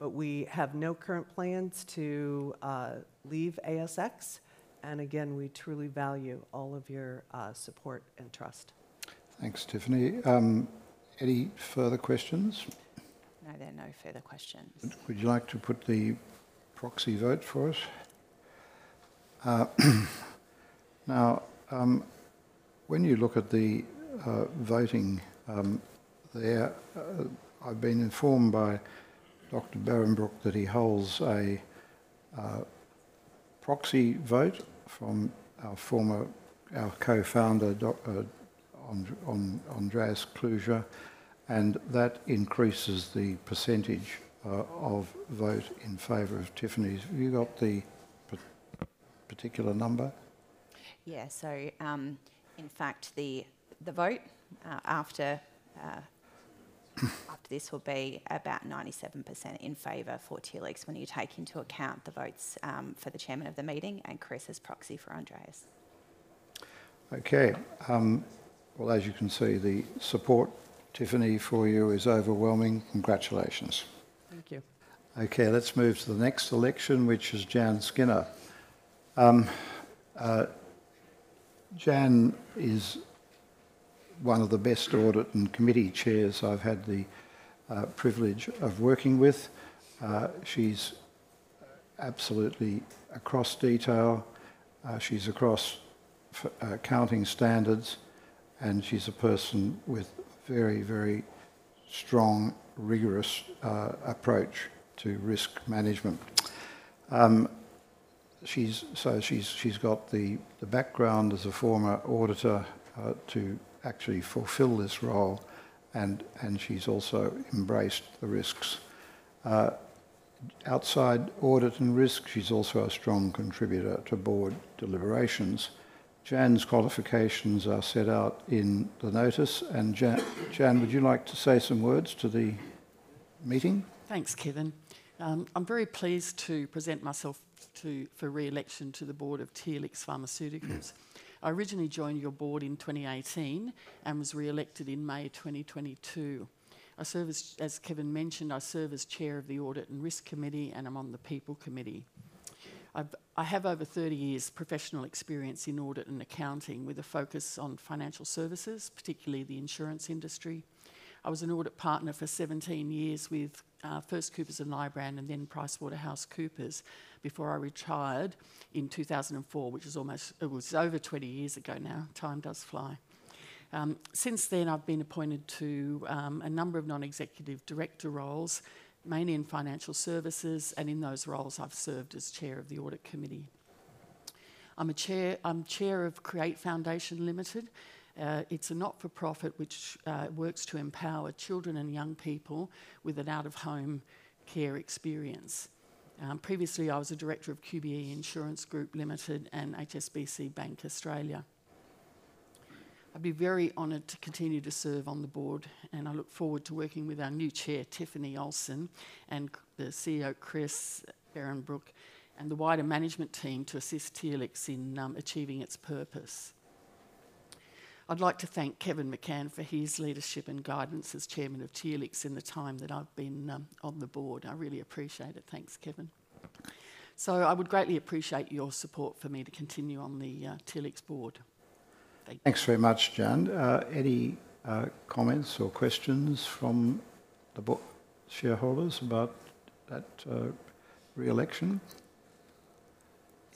We have no current plans to leave ASX. Again, we truly value all of your support and trust. Thanks, Tiffany. Any further questions? No, there are no further questions. Would you like to put the proxy vote for us? Now, when you look at the voting there, I have been informed by Dr. Behrenbruch that he holds a proxy vote from our Co-Founder, Andreas Kluge. That increases the percentage of vote in favor of Tiffany's. Have you got the particular number? Yeah. In fact, the vote after this will be about 97% in favor for Telix when you take into account the votes for the Chairman of the meeting and Chris's proxy for Andreas. Okay. As you can see, the support, Tiffany, for you is overwhelming. Congratulations. Thank you. Okay. Let's move to the next election, which is Jann Skinner. Jann is one of the best Audit and Committee Chairs I've had the privilege of working with. She's absolutely across detail. She's across accounting standards, and she's a person with a very, very strong, rigorous approach to risk management. She's got the background as a former Auditor to actually fulfill this role, and she's also embraced the risks. Outside audit and risk, she's also a strong contributor to Board deliberations. Jann's qualifications are set out in the notice. Jann, would you like to say some words to the meeting? Thanks, Kevin. I'm very pleased to present myself for reelection to the Board of Telix Pharmaceuticals. I originally joined your Board in 2018 and was reelected in May 2022. As Kevin mentioned, I serve as Chair of the Audit and Risk Committee, and I'm on the People Committee. I have over 30 years' professional experience in audit and accounting with a focus on financial services, particularly the insurance industry. I was an audit partner for 17 years with Coopers and Lybrand and then PricewaterhouseCoopers before I retired in 2004, which is almost over 20 years ago now. Time does fly. Since then, I've been appointed to a number of Non-Executive Director roles, mainly in financial services. In those roles, I've served as Chair of the Audit Committee. I'm Chair of Create Foundation Limited. It's a not-for-profit which works to empower children and young people with an out-of-home care experience. Previously, I was a director of QBE Insurance Group and HSBC Bank Australia. I'd be very honored to continue to serve on the Board, and I look forward to working with our new chair, Tiffany Olson, and the CEO, Chris Behrenbruch, and the wider management team to assist Telix in achieving its purpose. I'd like to thank Kevin McCann for his leadership and guidance as chairman of Telix in the time that I've been on the Board. I really appreciate it. Thanks, Kevin. I would greatly appreciate your support for me to continue on the Telix Board. Thanks. Thanks very much, Jann. Any comments or questions from the board shareholders about that reelection?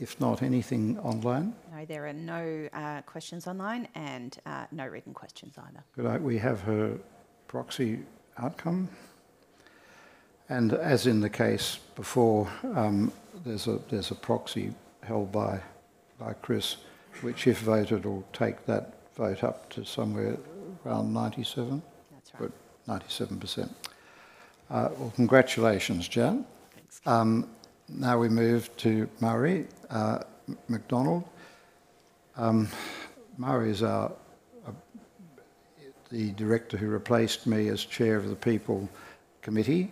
If not, anything online? No, there are no questions online and no written questions either. Good. We have her proxy outcome. As in the case before, there is a proxy held by Chris, which, if voted, will take that vote up to somewhere around 97%. That is right. 97%. Congratulations, Jann. Thanks. Now we move to Marie McDonald. Marie is the Director who replaced me as Chair of the People Committee.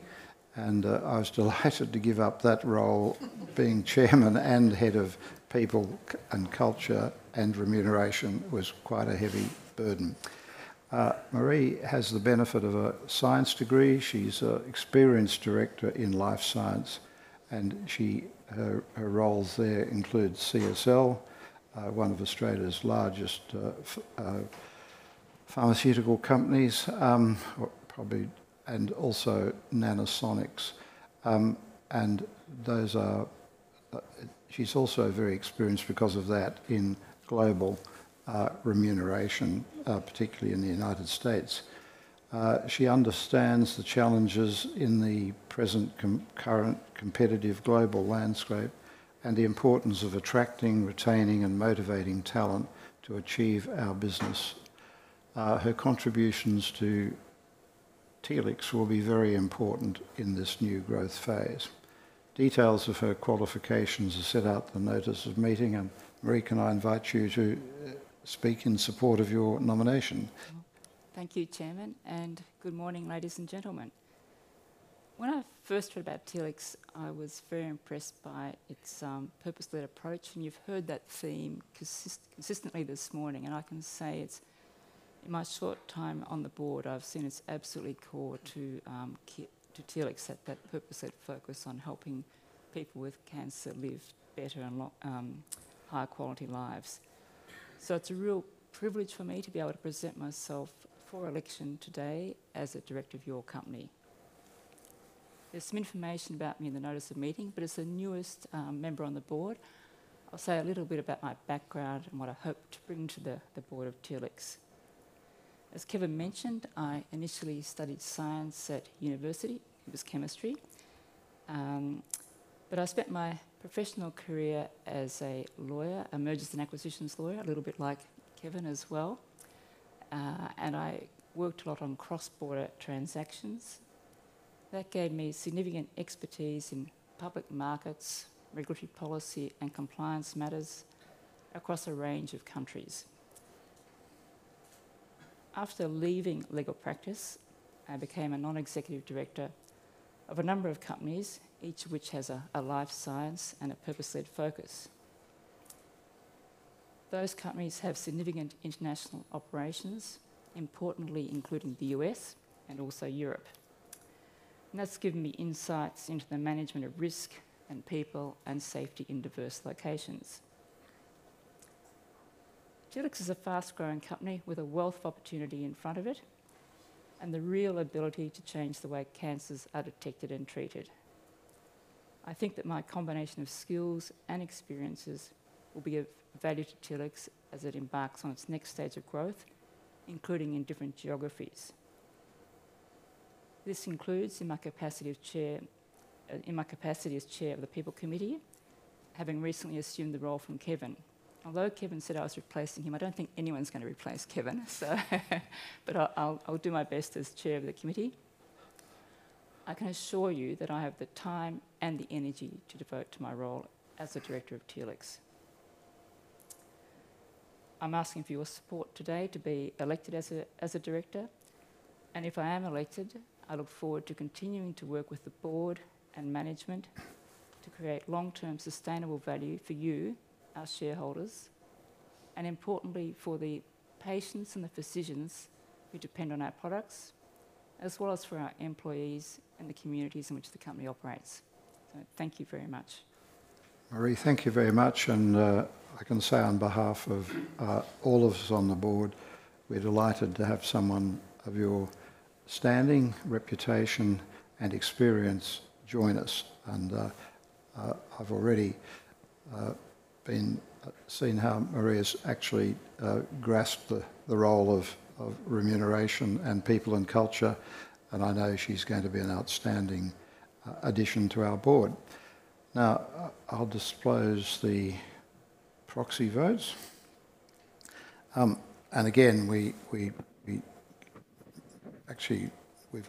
I was delighted to give up that role. Being Chairman and Head of People and Culture and Remuneration was quite a heavy burden. Marie has the benefit of a science degree. She is an experienced Director in Life Science, and her roles there include CSL, one of Australia's largest pharmaceutical companies, probably, and also Nanosonics. She is also very experienced because of that in global remuneration, particularly in the United States. She understands the challenges in the present current competitive global landscape and the importance of attracting, retaining, and motivating talent to achieve our business. Her contributions to Telix will be very important in this new growth phase. Details of her qualifications are set out in the notice of meeting. Marie, can I invite you to speak in support of your nomination? Thank you, Chairman. Good morning, ladies and gentlemen. When I first heard about Telix, I was very impressed by its purpose-led approach. You have heard that theme consistently this morning. I can say, in my short time on the Board, I have seen it is absolutely core to Telix to set that purpose-led focus on helping people with cancer live better and higher quality lives. It is a real privilege for me to be able to present myself for election today as a Director of your Company. There's some information about me in the notice of meeting, but as the newest member on the Board, I'll say a little bit about my background and what I hope to bring to the Board of Telix. As Kevin mentioned, I initially studied science at university. It was chemistry. I spent my professional career as a lawyer, a mergers and acquisitions lawyer, a little bit like Kevin as well. I worked a lot on cross-border transactions. That gave me significant expertise in public markets, regulatory policy, and compliance matters across a range of countries. After leaving legal practice, I became a Non-Executive Director of a number of companies, each of which has a Life Science and a purpose-led focus. Those companies have significant international operations, importantly including the U.S. and also Europe. That has given me insights into the management of risk and people and safety in diverse locations. Telix is a fast-growing Company with a wealth of opportunity in front of it and the real ability to change the way cancers are detected and treated. I think that my combination of skills and experiences will be of value to Telix as it embarks on its next stage of growth, including in different geographies. This includes in my capacity as Chair of the People Committee, having recently assumed the role from Kevin. Although Kevin said I was replacing him, I do not think anyone is going to replace Kevin. I will do my best as Chair of the Committee. I can assure you that I have the time and the energy to devote to my role as a Director of Telix. I am asking for your support today to be elected as a Director. If I am elected, I look forward to continuing to work with the Board and management to create long-term sustainable value for you, our shareholders, and importantly, for the patients and the physicians who depend on our products, as well as for our employees and the communities in which the company operates. Thank you very much. Marie, thank you very much. I can say on behalf of all of us on the Board, we're delighted to have someone of your standing, reputation, and experience join us. I've already seen how Marie has actually grasped the role of remuneration and people and culture. I know she's going to be an outstanding addition to our Board. Now, I'll disclose the proxy votes. Again, we've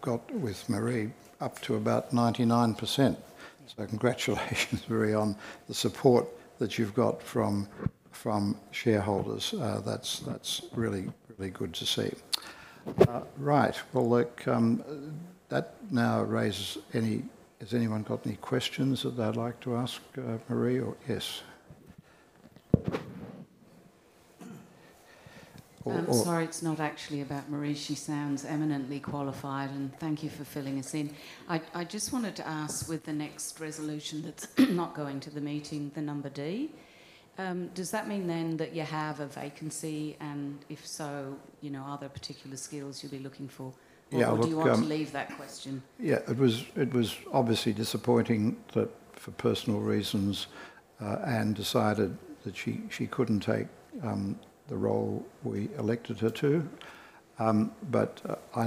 got with Marie up to about 99%. Congratulations, Marie, on the support that you've got from shareholders. That's really, really good to see. Right. Look, that now raises any—has anyone got any questions that they'd like to ask Marie? Yes. I'm sorry, it's not actually about Marie. She sounds eminently qualified. Thank you for filling us in. I just wanted to ask with the next resolution that's not going to the meeting, the number D, does that mean then that you have a vacancy? If so, are there particular skills you'll be looking for? Or do you want to leave that question? Yeah. It was obviously disappointing for personal reasons and decided that she couldn't take the role we elected her to. I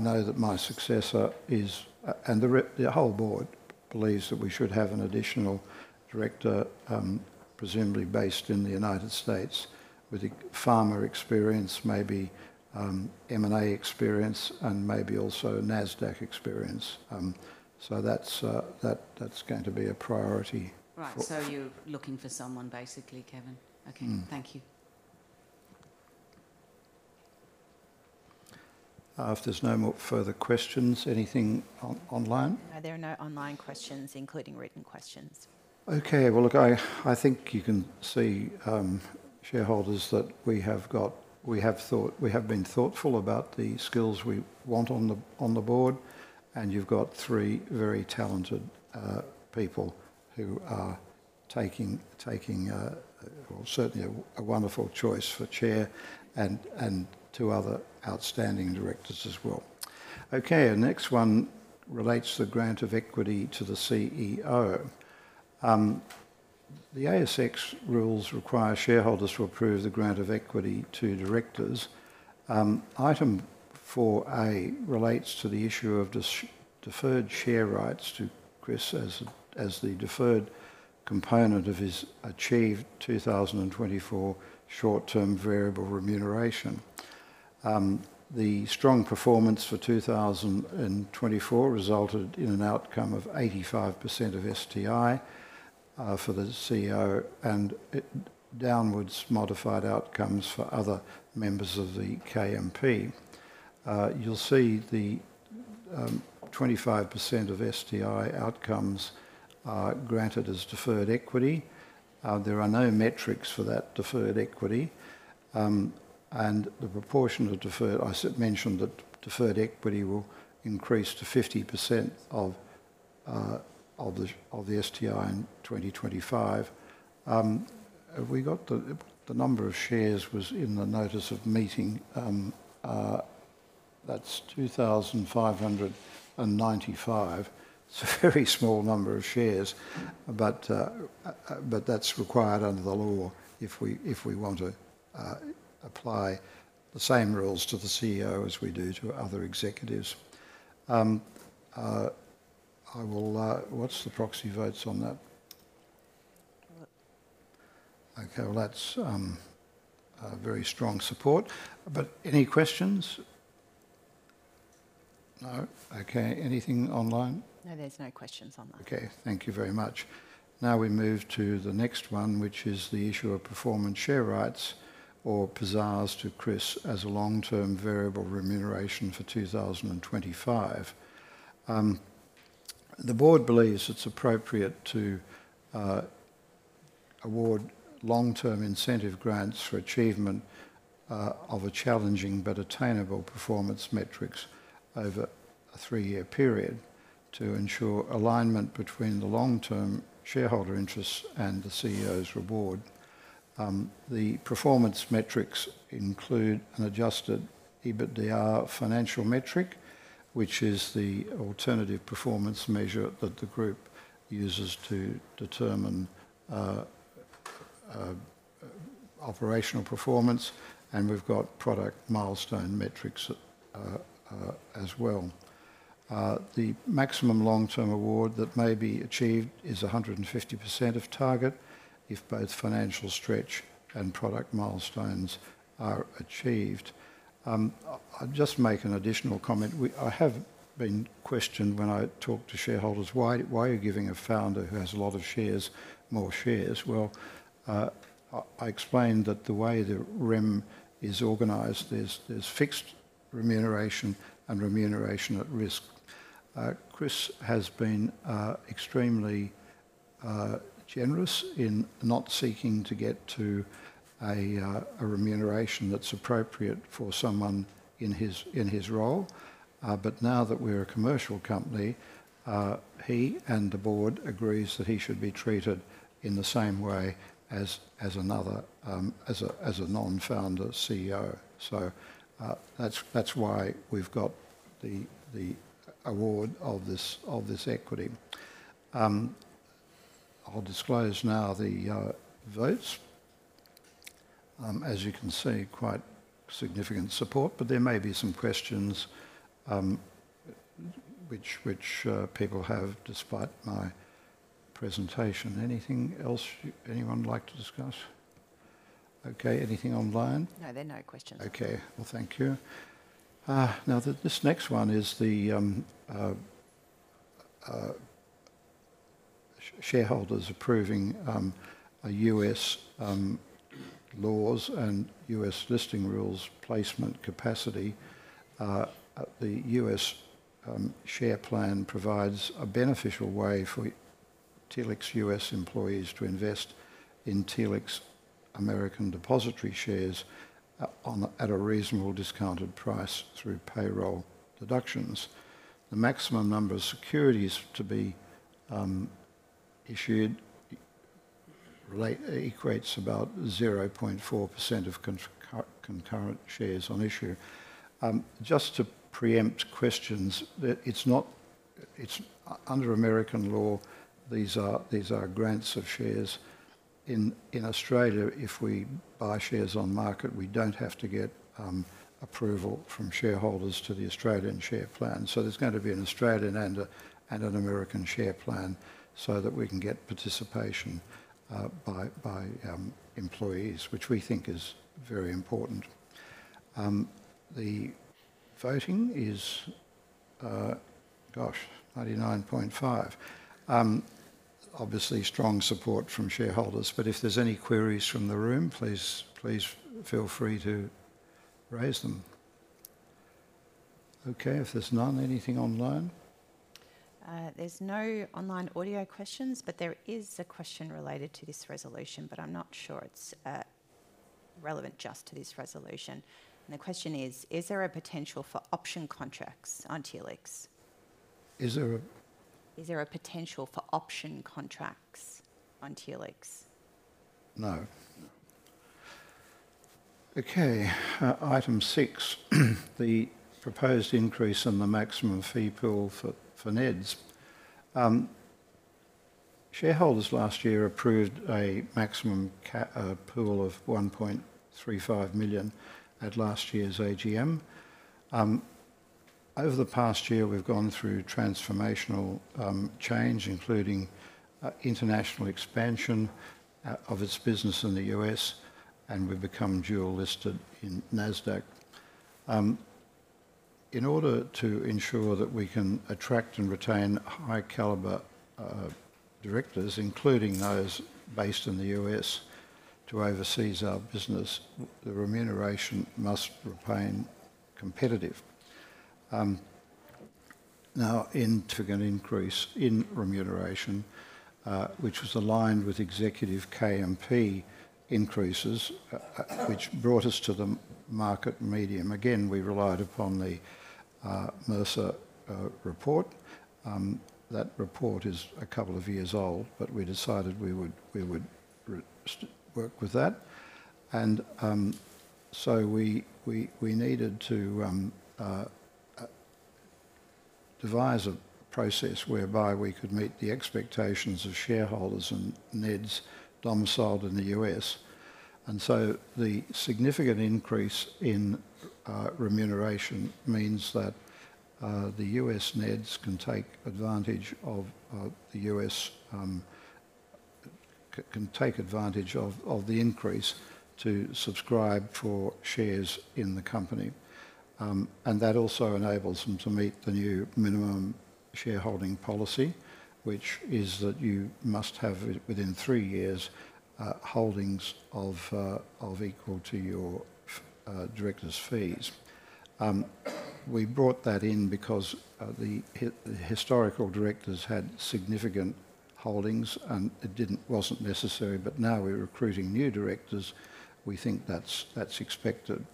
know that my successor is—and the whole Board believes that we should have an additional Director, presumably based in the United States, with a pharma experience, maybe M&A experience, and maybe also a Nasdaq experience. That is going to be a priority. Right. You are looking for someone, basically, Kevin. Okay. Thank you. If there are no more further questions, anything online? No, there are no online questions, including written questions. Okay. I think you can see, shareholders, that we have thought—we have been thoughtful about the skills we want on the Board. You have three very talented people who are taking—certainly a wonderful choice for Chair and two other outstanding Directors as well. Okay. The next one relates to the grant of equity to the CEO. The ASX rules require shareholders to approve the grant of equity to directors. Item 4A relates to the issue of deferred share rights to Chris as the deferred component of his achieved 2024 short-term variable remuneration. The strong performance for 2024 resulted in an outcome of 85% of STI for the CEO and downwards modified outcomes for other members of the KMP. You'll see the 25% of STI outcomes granted as deferred equity. There are no metrics for that deferred equity. The proportion of deferred—I mentioned that deferred equity will increase to 50% of the STI in 2025. We got the number of shares was in the notice of meeting. That's 2,595. It's a very small number of shares. That's required under the law if we want to apply the same rules to the CEO as we do to other Executives. What's the proxy votes on that? Okay. That's very strong support. Any questions? No? Okay. Anything online? No, there's no questions online. Okay. Thank you very much. Now we move to the next one, which is the issue of performance share rights or PSARs to Chris as a long-term variable remuneration for 2025. The Board believes it's appropriate to award long-term incentive grants for achievement of a challenging but attainable performance metrics over a three-year period to ensure alignment between the long-term shareholder interests and the CEO's reward. The performance metrics include an adjusted EBITDA financial metric, which is the alternative performance measure that the Group uses to determine operational performance. We have product milestone metrics as well. The maximum long-term award that may be achieved is 150% of target if both financial stretch and product milestones are achieved. I'll just make an additional comment. I have been questioned when I talk to shareholders, "Why are you giving a Founder who has a lot of shares more shares?" I explained that the way the RIM is organized, there is fixed remuneration and remuneration at risk. Chris has been extremely generous in not seeking to get to a remuneration that is appropriate for someone in his role. Now that we are a commercial company, he and the Board agree that he should be treated in the same way as a Non-Founder CEO. That is why we have the award of this equity. I will disclose now the votes. As you can see, quite significant support. There may be some questions which people have despite my presentation. Anything else anyone would like to discuss? Okay. Anything online? No, there are no questions. Okay. Thank you. Now, this next one is the shareholders approving U.S. laws and U.S. listing rules placement capacity. The U.S. share plan provides a beneficial way for Telix U.S. employees to invest in Telix American depository shares at a reasonable discounted price through payroll deductions. The maximum number of securities to be issued equates about 0.4% of concurrent shares on issue. Just to preempt questions, it's under American law, these are grants of shares. In Australia, if we buy shares on market, we don't have to get approval from shareholders to the Australian share plan. So there's going to be an Australian and an American share plan so that we can get participation by employees, which we think is very important. The voting is, gosh, 99.5%. Obviously, strong support from shareholders. If there's any queries from the room, please feel free to raise them. Okay. If there's none, anything online? There's no online audio questions, but there is a question related to this resolution, but I'm not sure it's relevant just to this resolution. The question is, is there a potential for option contracts on Telix? Is there a? Is there a potential for option contracts on Telix? No. Okay. Item six, the proposed increase in the maximum fee pool for NEDS. Shareholders last year approved a maximum pool of $1.35 million at last year's AGM. Over the past year, we've gone through transformational change, including international expansion of its business in the U.S., and we've become dual-listed in Nasdaq. In order to ensure that we can attract and retain high-caliber Directors, including those based in the U.S. to oversee our business, the remuneration must remain competitive. Now, in, for an increase in remuneration, which was aligned with executive KMP increases, which brought us to the market median. Again, we relied upon the Mercer report. That report is a couple of years old, but we decided we would work with that. We needed to devise a process whereby we could meet the expectations of shareholders and NEDs domiciled in the U.S. The significant increase in remuneration means that the U.S. NEDs can take advantage of the increase to subscribe for shares in the Company. That also enables them to meet the new minimum shareholding policy, which is that you must have within three years holdings equal to your Director's fees. We brought that in because the historical Directors had significant holdings, and it wasn't necessary. Now we're recruiting new Directors. We think that's expected.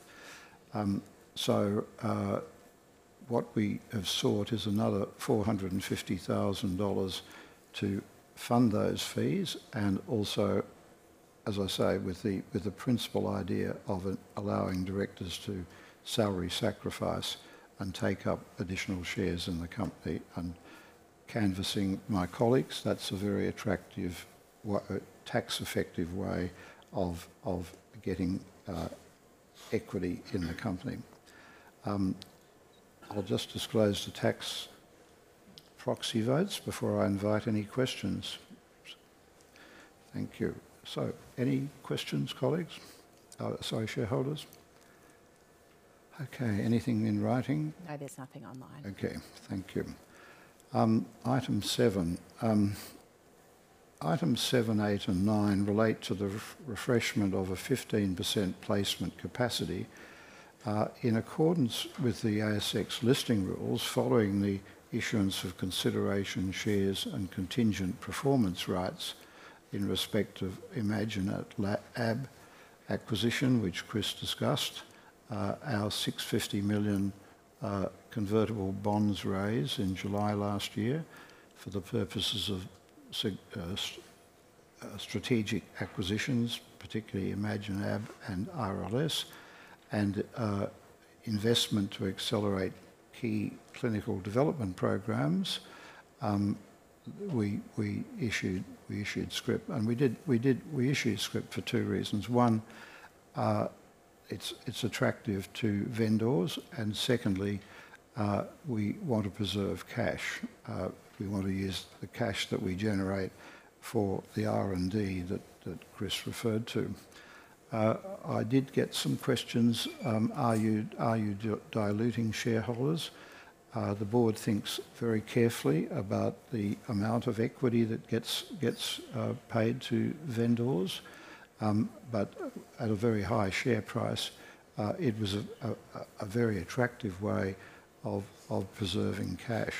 What we have sought is another $450,000 to fund those fees. Also, as I say, with the principal idea of allowing Directors to salary sacrifice and take up additional shares in the Company and canvassing my colleagues, that's a very attractive, tax-effective way of getting equity in the Company. I'll just disclose the tax proxy votes before I invite any questions. Thank you. Any questions, colleagues? Sorry, shareholders? Anything in writing? No, there's nothing online. Thank you. Item seven. Items seven, eight, and nine relate to the refreshment of a 15% placement capacity. In accordance with the ASX listing rules, following the issuance of consideration shares and contingent performance rights in respect of ImaginAb acquisition, which Chris discussed, our $650 million convertible bonds raise in July last year for the purposes of strategic acquisitions, particularly ImaginAb and RLS, and investment to accelerate key clinical development programs. We issued SCRIP. We issued SCRIP for two reasons. One, it's attractive to vendors. Secondly, we want to preserve cash. We want to use the cash that we generate for the R&D that Chris referred to. I did get some questions. Are you diluting shareholders? The Board thinks very carefully about the amount of equity that gets paid to vendors. At a very high share price, it was a very attractive way of preserving cash.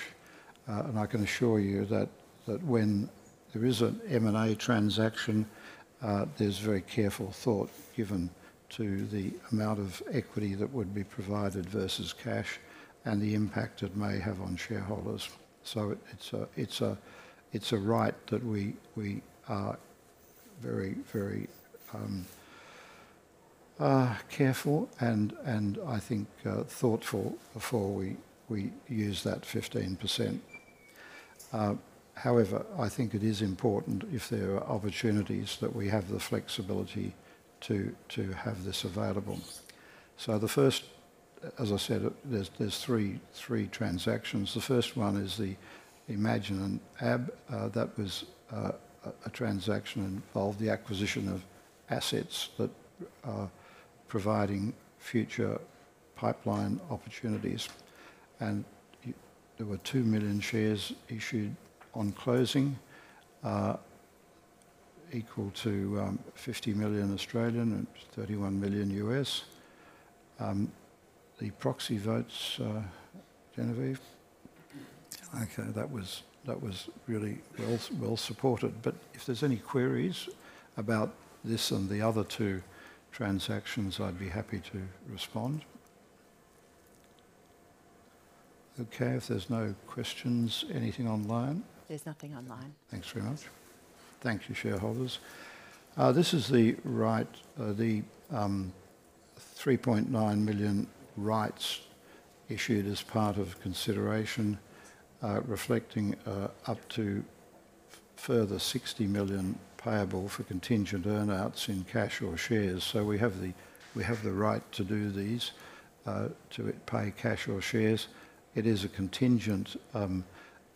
I can assure you that when there is an M&A transaction, there's very careful thought given to the amount of equity that would be provided versus cash and the impact it may have on shareholders. It's a right that we are very, very careful and, I think, thoughtful before we use that 15%. I think it is important if there are opportunities that we have the flexibility to have this available. As I said, there are three transactions. The first one is the ImaginAb transaction. That was a transaction involving the acquisition of assets that are providing future pipeline opportunities. There were 2 million shares issued on closing, equal to 50 million and $31 million. The proxy votes, Genevieve. Okay. That was really well supported. If there are any queries about this and the other two transactions, I'd be happy to respond. If there are no questions, anything online? There's nothing online. Thanks very much. Thank you, shareholders. This is the 3.9 million rights issued as part of consideration, reflecting up to a further $60 million payable for contingent earnouts in cash or shares. We have the right to do these, to pay cash or shares. It is a contingent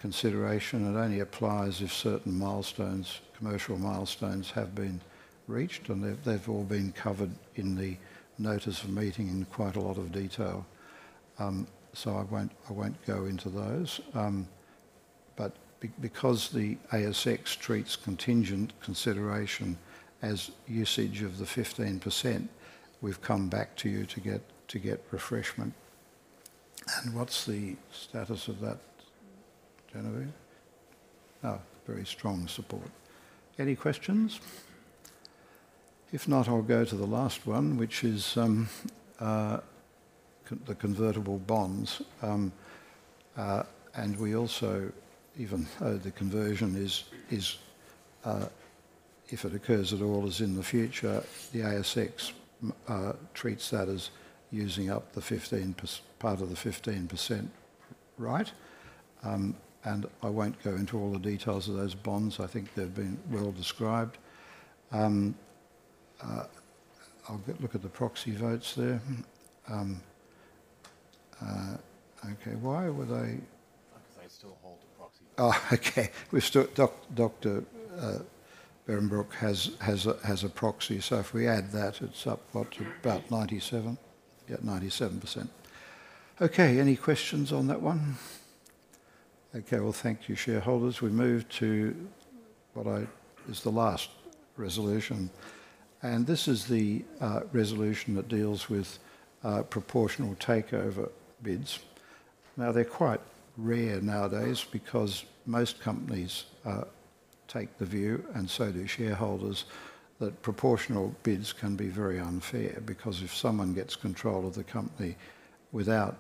consideration. It only applies if certain milestones, commercial milestones, have been reached. They've all been covered in the notice of meeting in quite a lot of detail. I won't go into those. Because the ASX treats contingent consideration as usage of the 15%, we've come back to you to get refreshment. What's the status of that, Genevieve? Oh, very strong support. Any questions? If not, I'll go to the last one, which is the convertible bonds. We also, even though the conversion is, if it occurs at all, in the future, the ASX treats that as using up the 15% part of the 15% right. I won't go into all the details of those bonds. I think they've been well described. I'll look at the proxy votes there. Okay. Why were they? Because I still hold a proxy. Oh, okay. Dr. Behrenbruch has a proxy. If we add that, it's up to about 97%. Okay. Any questions on that one? Okay. Thank you, shareholders. We move to what is the last resolution. This is the resolution that deals with proportional takeover bids. Now, they're quite rare nowadays because most companies take the view, and so do shareholders, that proportional bids can be very unfair because if someone gets control of the Company without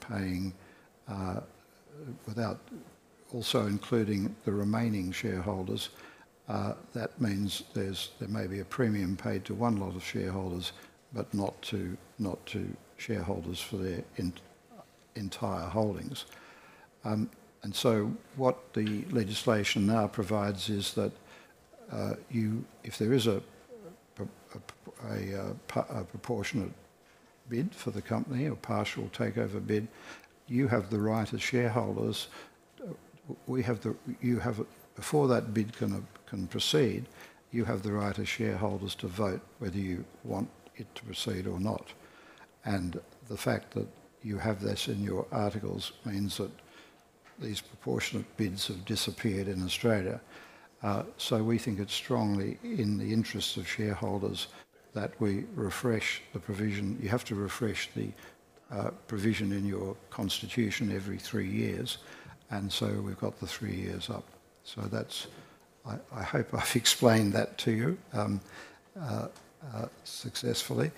paying, without also including the remaining shareholders, that means there may be a premium paid to one lot of shareholders, but not to shareholders for their entire holdings. What the legislation now provides is that if there is a proportionate bid for the Company or partial takeover bid, you have the right as shareholders. Before that bid can proceed, you have the right as shareholders to vote whether you want it to proceed or not. The fact that you have this in your articles means that these proportionate bids have disappeared in Australia. We think it's strongly in the interest of shareholders that we refresh the provision. You have to refresh the provision in your constitution every three years. We have the three years up. I hope I've explained that to you successfully.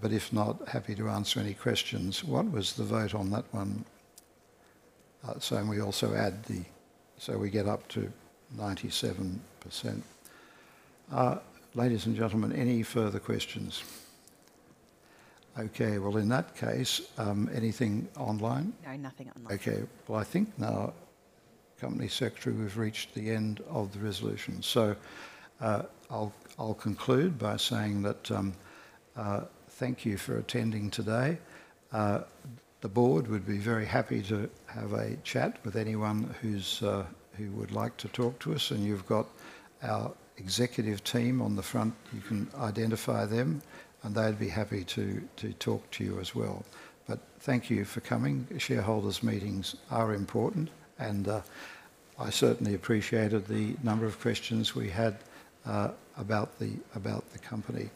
If not, happy to answer any questions. What was the vote on that one? We also add the. We get up to 97%. Ladies and gentlemen, any further questions? Okay. In that case, anything online? No, nothing online. I think now, Company Secretary, we've reached the end of the resolution. I'll conclude by saying thank you for attending today. The Board would be very happy to have a chat with anyone who would like to talk to us. You have got our Executive team on the front. You can identify them, and they would be happy to talk to you as well. Thank you for coming. Shareholders' meetings are important. I certainly appreciated the number of questions we had about the Company.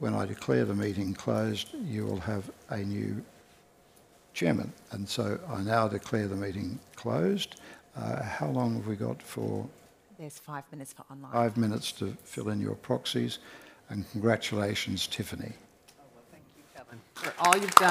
When I declare the meeting closed, you will have a new Chairman. I now declare the meeting closed. How long have we got for? There are five minutes for online. Five minutes to fill in your proxies. Congratulations, Tiffany. Oh, thank you, Kevin, for all you have done.